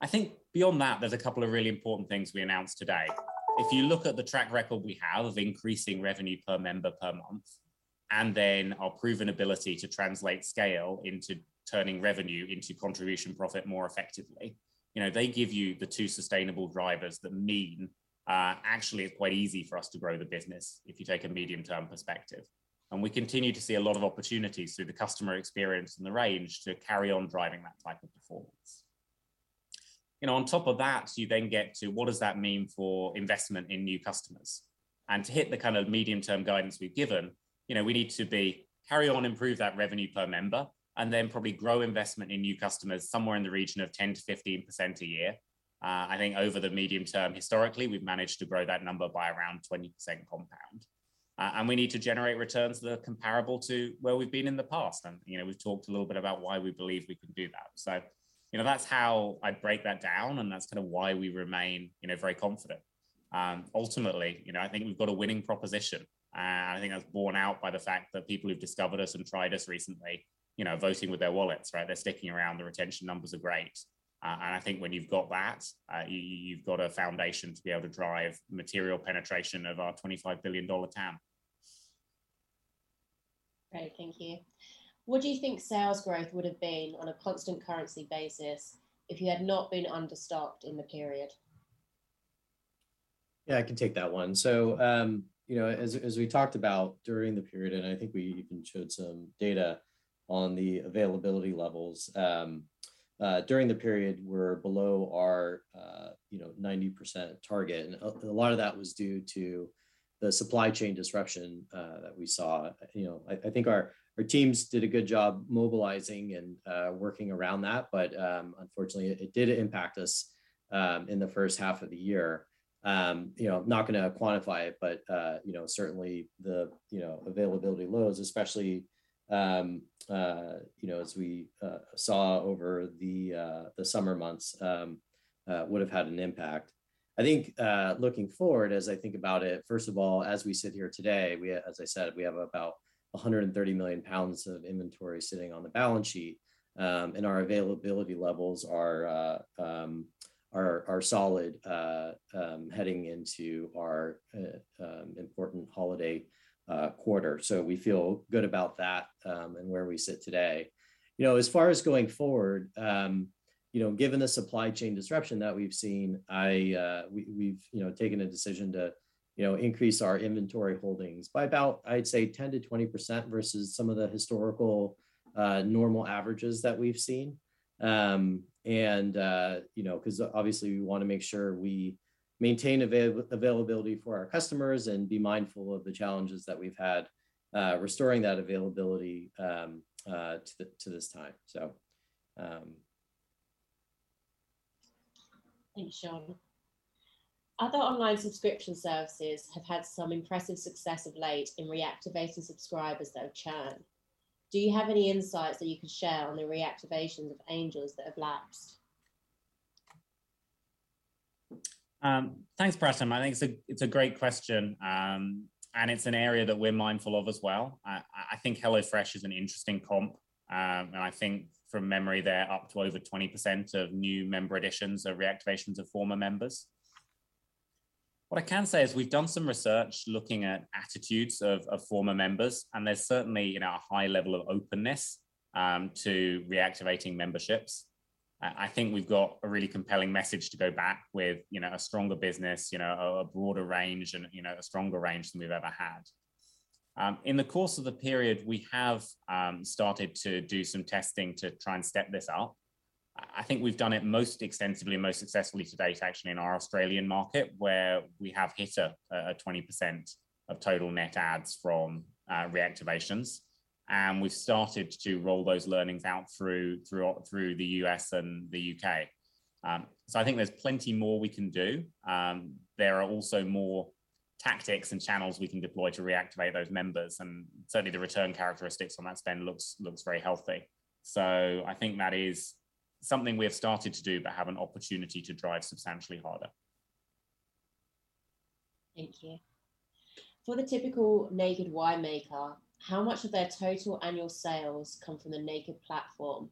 I think beyond that, there's a couple of really important things we announced today. If you look at the track record we have of increasing revenue per member per month, and then our proven ability to translate scale into turning revenue into contribution profit more effectively, you know, they give you the two sustainable drivers that mean, actually it's quite easy for us to grow the business if you take a medium-term perspective. We continue to see a lot of opportunities through the customer experience and the range to carry on driving that type of performance. You know, on top of that, you then get to what does that mean for investment in new customers? To hit the kind of medium-term guidance we've given, you know, we need to carry on, improve that revenue per member, and then probably grow investment in new customers somewhere in the region of 10%-15% a year. I think over the medium term, historically, we've managed to grow that number by around 20% compound. We need to generate returns that are comparable to where we've been in the past. You know, we've talked a little bit about why we believe we can do that. You know, that's how I break that down, and that's kind of why we remain, you know, very confident. Ultimately, you know, I think we've got a winning proposition. I think that's borne out by the fact that people who've discovered us and tried us recently, you know, are voting with their wallets, right? They're sticking around. The retention numbers are great. I think when you've got that, you've got a foundation to be able to drive material penetration of our $25 billion TAM. Great. Thank you. What do you think sales growth would have been on a constant currency basis if you had not been understocked in the period? Yeah, I can take that one. As we talked about during the period, and I think we even showed some data on the availability levels, during the period we're below our 90% target. A lot of that was due to the supply chain disruption that we saw. I think our teams did a good job mobilizing and working around that, but unfortunately, it did impact us in the H1 of the year. Not gonna quantify it, but certainly the availability lows, especially, as we saw over the summer months, would have had an impact. I think, looking forward, as I think about it, first of all, as we sit here today, as I said, we have about 130 million pounds of inventory sitting on the balance sheet, and our availability levels are solid, heading into our important holiday quarter. We feel good about that, and where we sit today. You know, as far as going forward, you know, given the supply chain disruption that we've seen, we have taken a decision to increase our inventory holdings by about, I'd say, 10%-20% versus some of the historical Normal averages that we've seen. You know, 'cause obviously we wanna make sure we maintain availability for our customers and be mindful of the challenges that we've had restoring that availability to this time, so. Thanks, Shawn. Other online subscription services have had some impressive success of late in reactivating subscribers that have churned. Do you have any insights that you could share on the reactivation of Angels that have lapsed? Thanks, Pratham. I think it's a great question, and it's an area that we're mindful of as well. I think HelloFresh is an interesting comp. I think from memory they're up to over 20% of new member additions are reactivations of former members. What I can say is we've done some research looking at attitudes of former members, and there's certainly, you know, a high level of openness to reactivating memberships. I think we've got a really compelling message to go back with, you know, a stronger business, you know, a broader range and, you know, a stronger range than we've ever had. In the course of the period, we have started to do some testing to try and step this up. I think we've done it most extensively and most successfully to date actually in our Australian market where we have hit a 20% of total net adds from reactivations. We've started to roll those learnings out through the U.S. and the U.K. I think there's plenty more we can do. There are also more tactics and channels we can deploy to reactivate those members, and certainly the return characteristics on that spend looks very healthy. I think that is something we have started to do but have an opportunity to drive substantially harder. Thank you. For the typical Naked Wines winemaker, how much of their total annual sales come from the Naked Wines platform?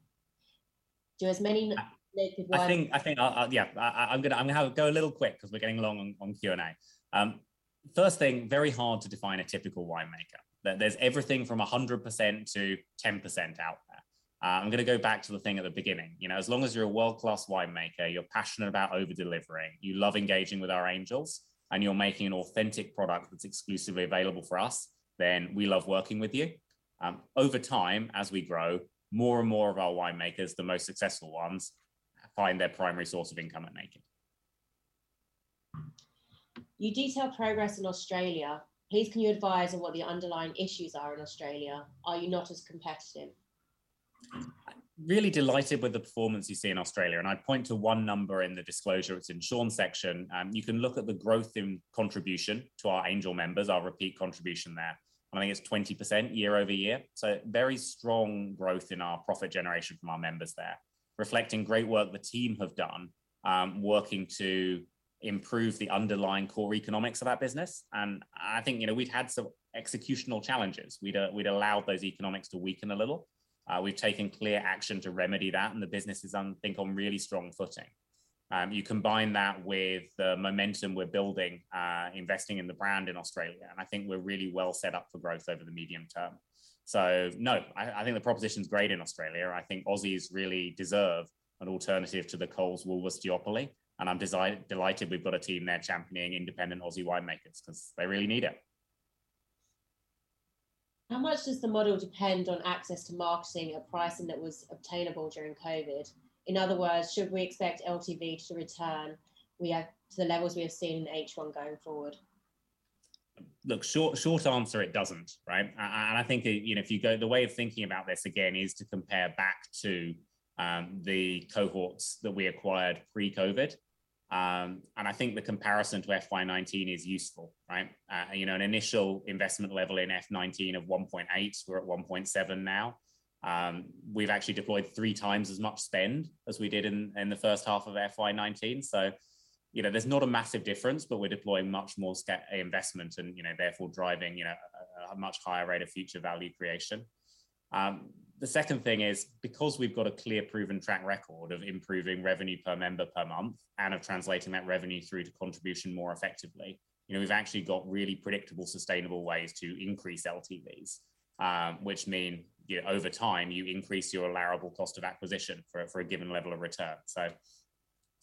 Do as many Naked Wines I think I'll have to go a little quick 'cause we're getting long on Q&A. First thing, very hard to define a typical winemaker. There's everything from 100%-10% out there. I'm gonna go back to the thing at the beginning. You know, as long as you're a world-class winemaker, you're passionate about over-delivering, you love engaging with our Angels, and you're making an authentic product that's exclusively available for us, then we love working with you. Over time, as we grow, more and more of our winemakers, the most successful ones, find their primary source of income at Naked Wines. You detail progress in Australia. Please can you advise on what the underlying issues are in Australia? Are you not as competitive? Really delighted with the performance you see in Australia, and I'd point to one number in the disclosure. It's in Shawn's section. You can look at the growth in contribution to our Angel members, our repeat contribution there. I think it's 20% year-over-year. Very strong growth in our profit generation from our members there, reflecting great work the team have done, working to improve the underlying core economics of our business. I think, you know, we've had some executional challenges. We'd allowed those economics to weaken a little. We've taken clear action to remedy that, and the business is on, I think, on really strong footing. You combine that with the momentum we're building, investing in the brand in Australia, and I think we're really well set up for growth over the medium term. No, I think the proposition's great in Australia. I think Aussies really deserve an alternative to the Coles-Woolworths duopoly, and I'm delighted we've got a team there championing independent Aussie winemakers 'cause they really need it. How much does the model depend on access to marketing at pricing that was obtainable during COVID? In other words, should we expect LTV to return to the levels we have seen in H1 going forward? Look, short answer, it doesn't, right? I think, you know, if you go the way of thinking about this again is to compare back to the cohorts that we acquired pre-COVID. I think the comparison to FY 2019 is useful, right? You know, an initial investment level in FY 2019 of 1.8, we're at 1.7 now. We've actually deployed 3x as much spend as we did in the H1 of FY 2019, so, you know, there's not a massive difference, but we're deploying much more investment and, you know, therefore driving a much higher rate of future value creation. The second thing is because we've got a clear proven track record of improving revenue per member per month and of translating that revenue through to contribution more effectively, you know, we've actually got really predictable, sustainable ways to increase LTVs, which mean, you know, over time you increase your allowable cost of acquisition for a given level of return. So,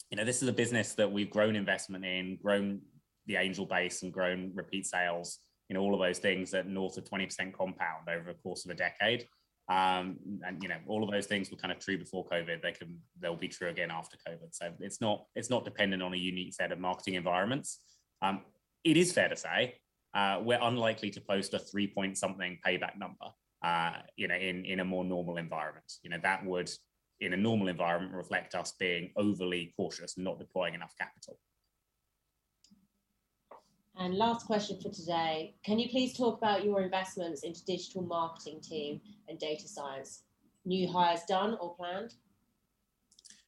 you know, this is a business that we've grown investment in, grown the Angel base, and grown repeat sales in all of those things at north of 20% compound over the course of a decade, and, you know, all of those things were kind of true before COVID. They'll be true again after COVID. So it's not dependent on a unique set of marketing environments. It is fair to say we're unlikely to post a three point something payback number, you know, in a more normal environment. You know, that would, in a normal environment, reflect us being overly cautious and not deploying enough capital. Last question for today. Can you please talk about your investments into digital marketing team and data science? New hires done or planned?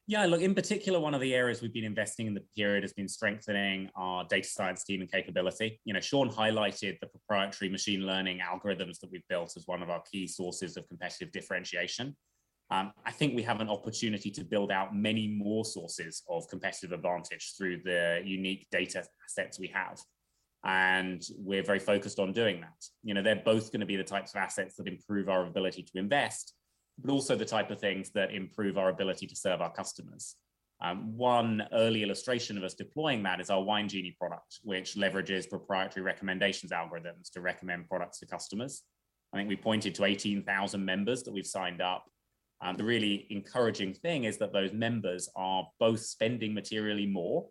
Yeah, look, in particular, one of the areas we've been investing in the period has been strengthening our data science team and capability. You know, Shawn highlighted the proprietary machine learning algorithms that we've built as one of our key sources of competitive differentiation. I think we have an opportunity to build out many more sources of competitive advantage through the unique data sets we have, and we're very focused on doing that. You know, they're both gonna be the types of assets that improve our ability to invest, but also the type of things that improve our ability to serve our customers. One early illustration of us deploying that is our Wine Genie product, which leverages proprietary recommendation algorithms to recommend products to customers. I think we pointed to 18,000 members that we've signed up. The really encouraging thing is that those members are both spending materially more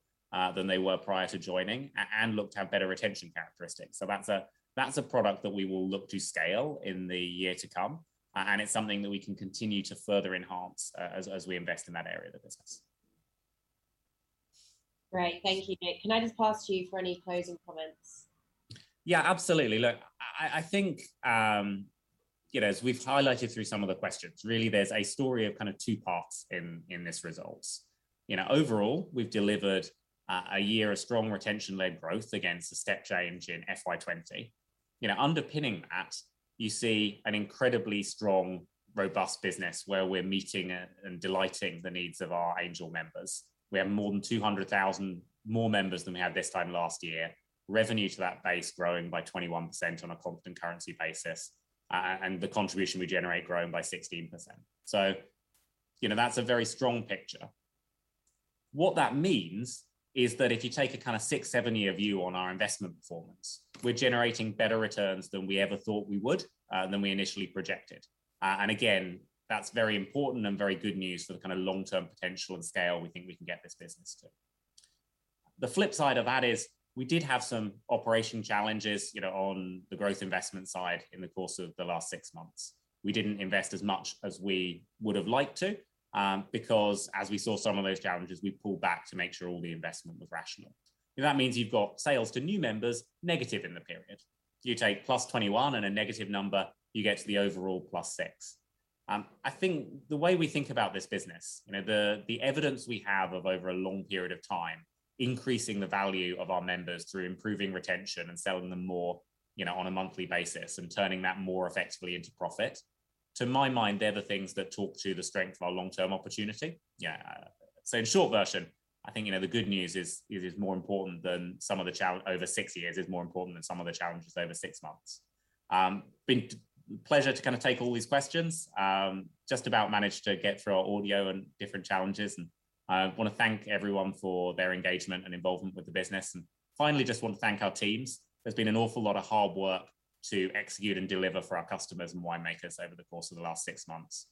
than they were prior to joining and look to have better retention characteristics. That's a product that we will look to scale in the year to come, and it's something that we can continue to further enhance as we invest in that area of the business. Great. Thank you, Nick. Can I just pass to you for any closing comments? Yeah, absolutely. Look, I think, you know, as we've highlighted through some of the questions, really there's a story of kind of two parts in this results. You know, overall, we've delivered a year of strong retention-led growth against a step change in FY 2020. You know, underpinning that, you see an incredibly strong, robust business where we're meeting and delighting the needs of our Angels. We have more than 200,000 more members than we had this time last year. Revenue to that base growing by 21% on a constant currency basis, and the contribution we generate growing by 16%. You know, that's a very strong picture. What that means is that if you take a kind of six to seven-year view on our investment performance, we're generating better returns than we ever thought we would, than we initially projected. Again, that's very important and very good news for the kind of long-term potential and scale we think we can get this business to. The flip side of that is we did have some operational challenges, you know, on the growth investment side in the course of the last six months. We didn't invest as much as we would've liked to, because as we saw some of those challenges, we pulled back to make sure all the investment was rational. That means you've got sales to new members negative in the period. You take +21 and a negative number, you get to the overall +6. I think the way we think about this business, you know, the evidence we have of over a long period of time increasing the value of our members through improving retention and selling them more, you know, on a monthly basis and turning that more effectively into profit, to my mind, they're the things that talk to the strength of our long-term opportunity. Yeah. In short version, I think, you know, the good news is over six years is more important than some of the challenges over six months. It's been a pleasure to kind of take all these questions. Just about managed to get through our audio and different challenges, and I want to thank everyone for their engagement and involvement with the business. Finally, I just want to thank our teams. There's been an awful lot of hard work to execute and deliver for our customers and winemakers over the course of the last six months,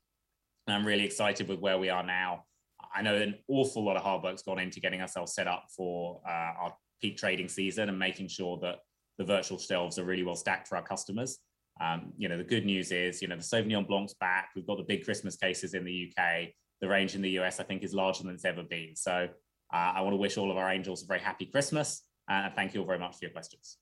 and I'm really excited with where we are now. I know an awful lot of hard work's gone into getting ourselves set up for our peak trading season and making sure that the virtual shelves are really well stacked for our customers. You know, the good news is, you know, the Sauvignon blanc's back. We've got the big Christmas cases in the U.K. The range in the U.S. I think is larger than it's ever been. I want to wish all of our Angels a very happy Christmas, thank you all very much for your questions.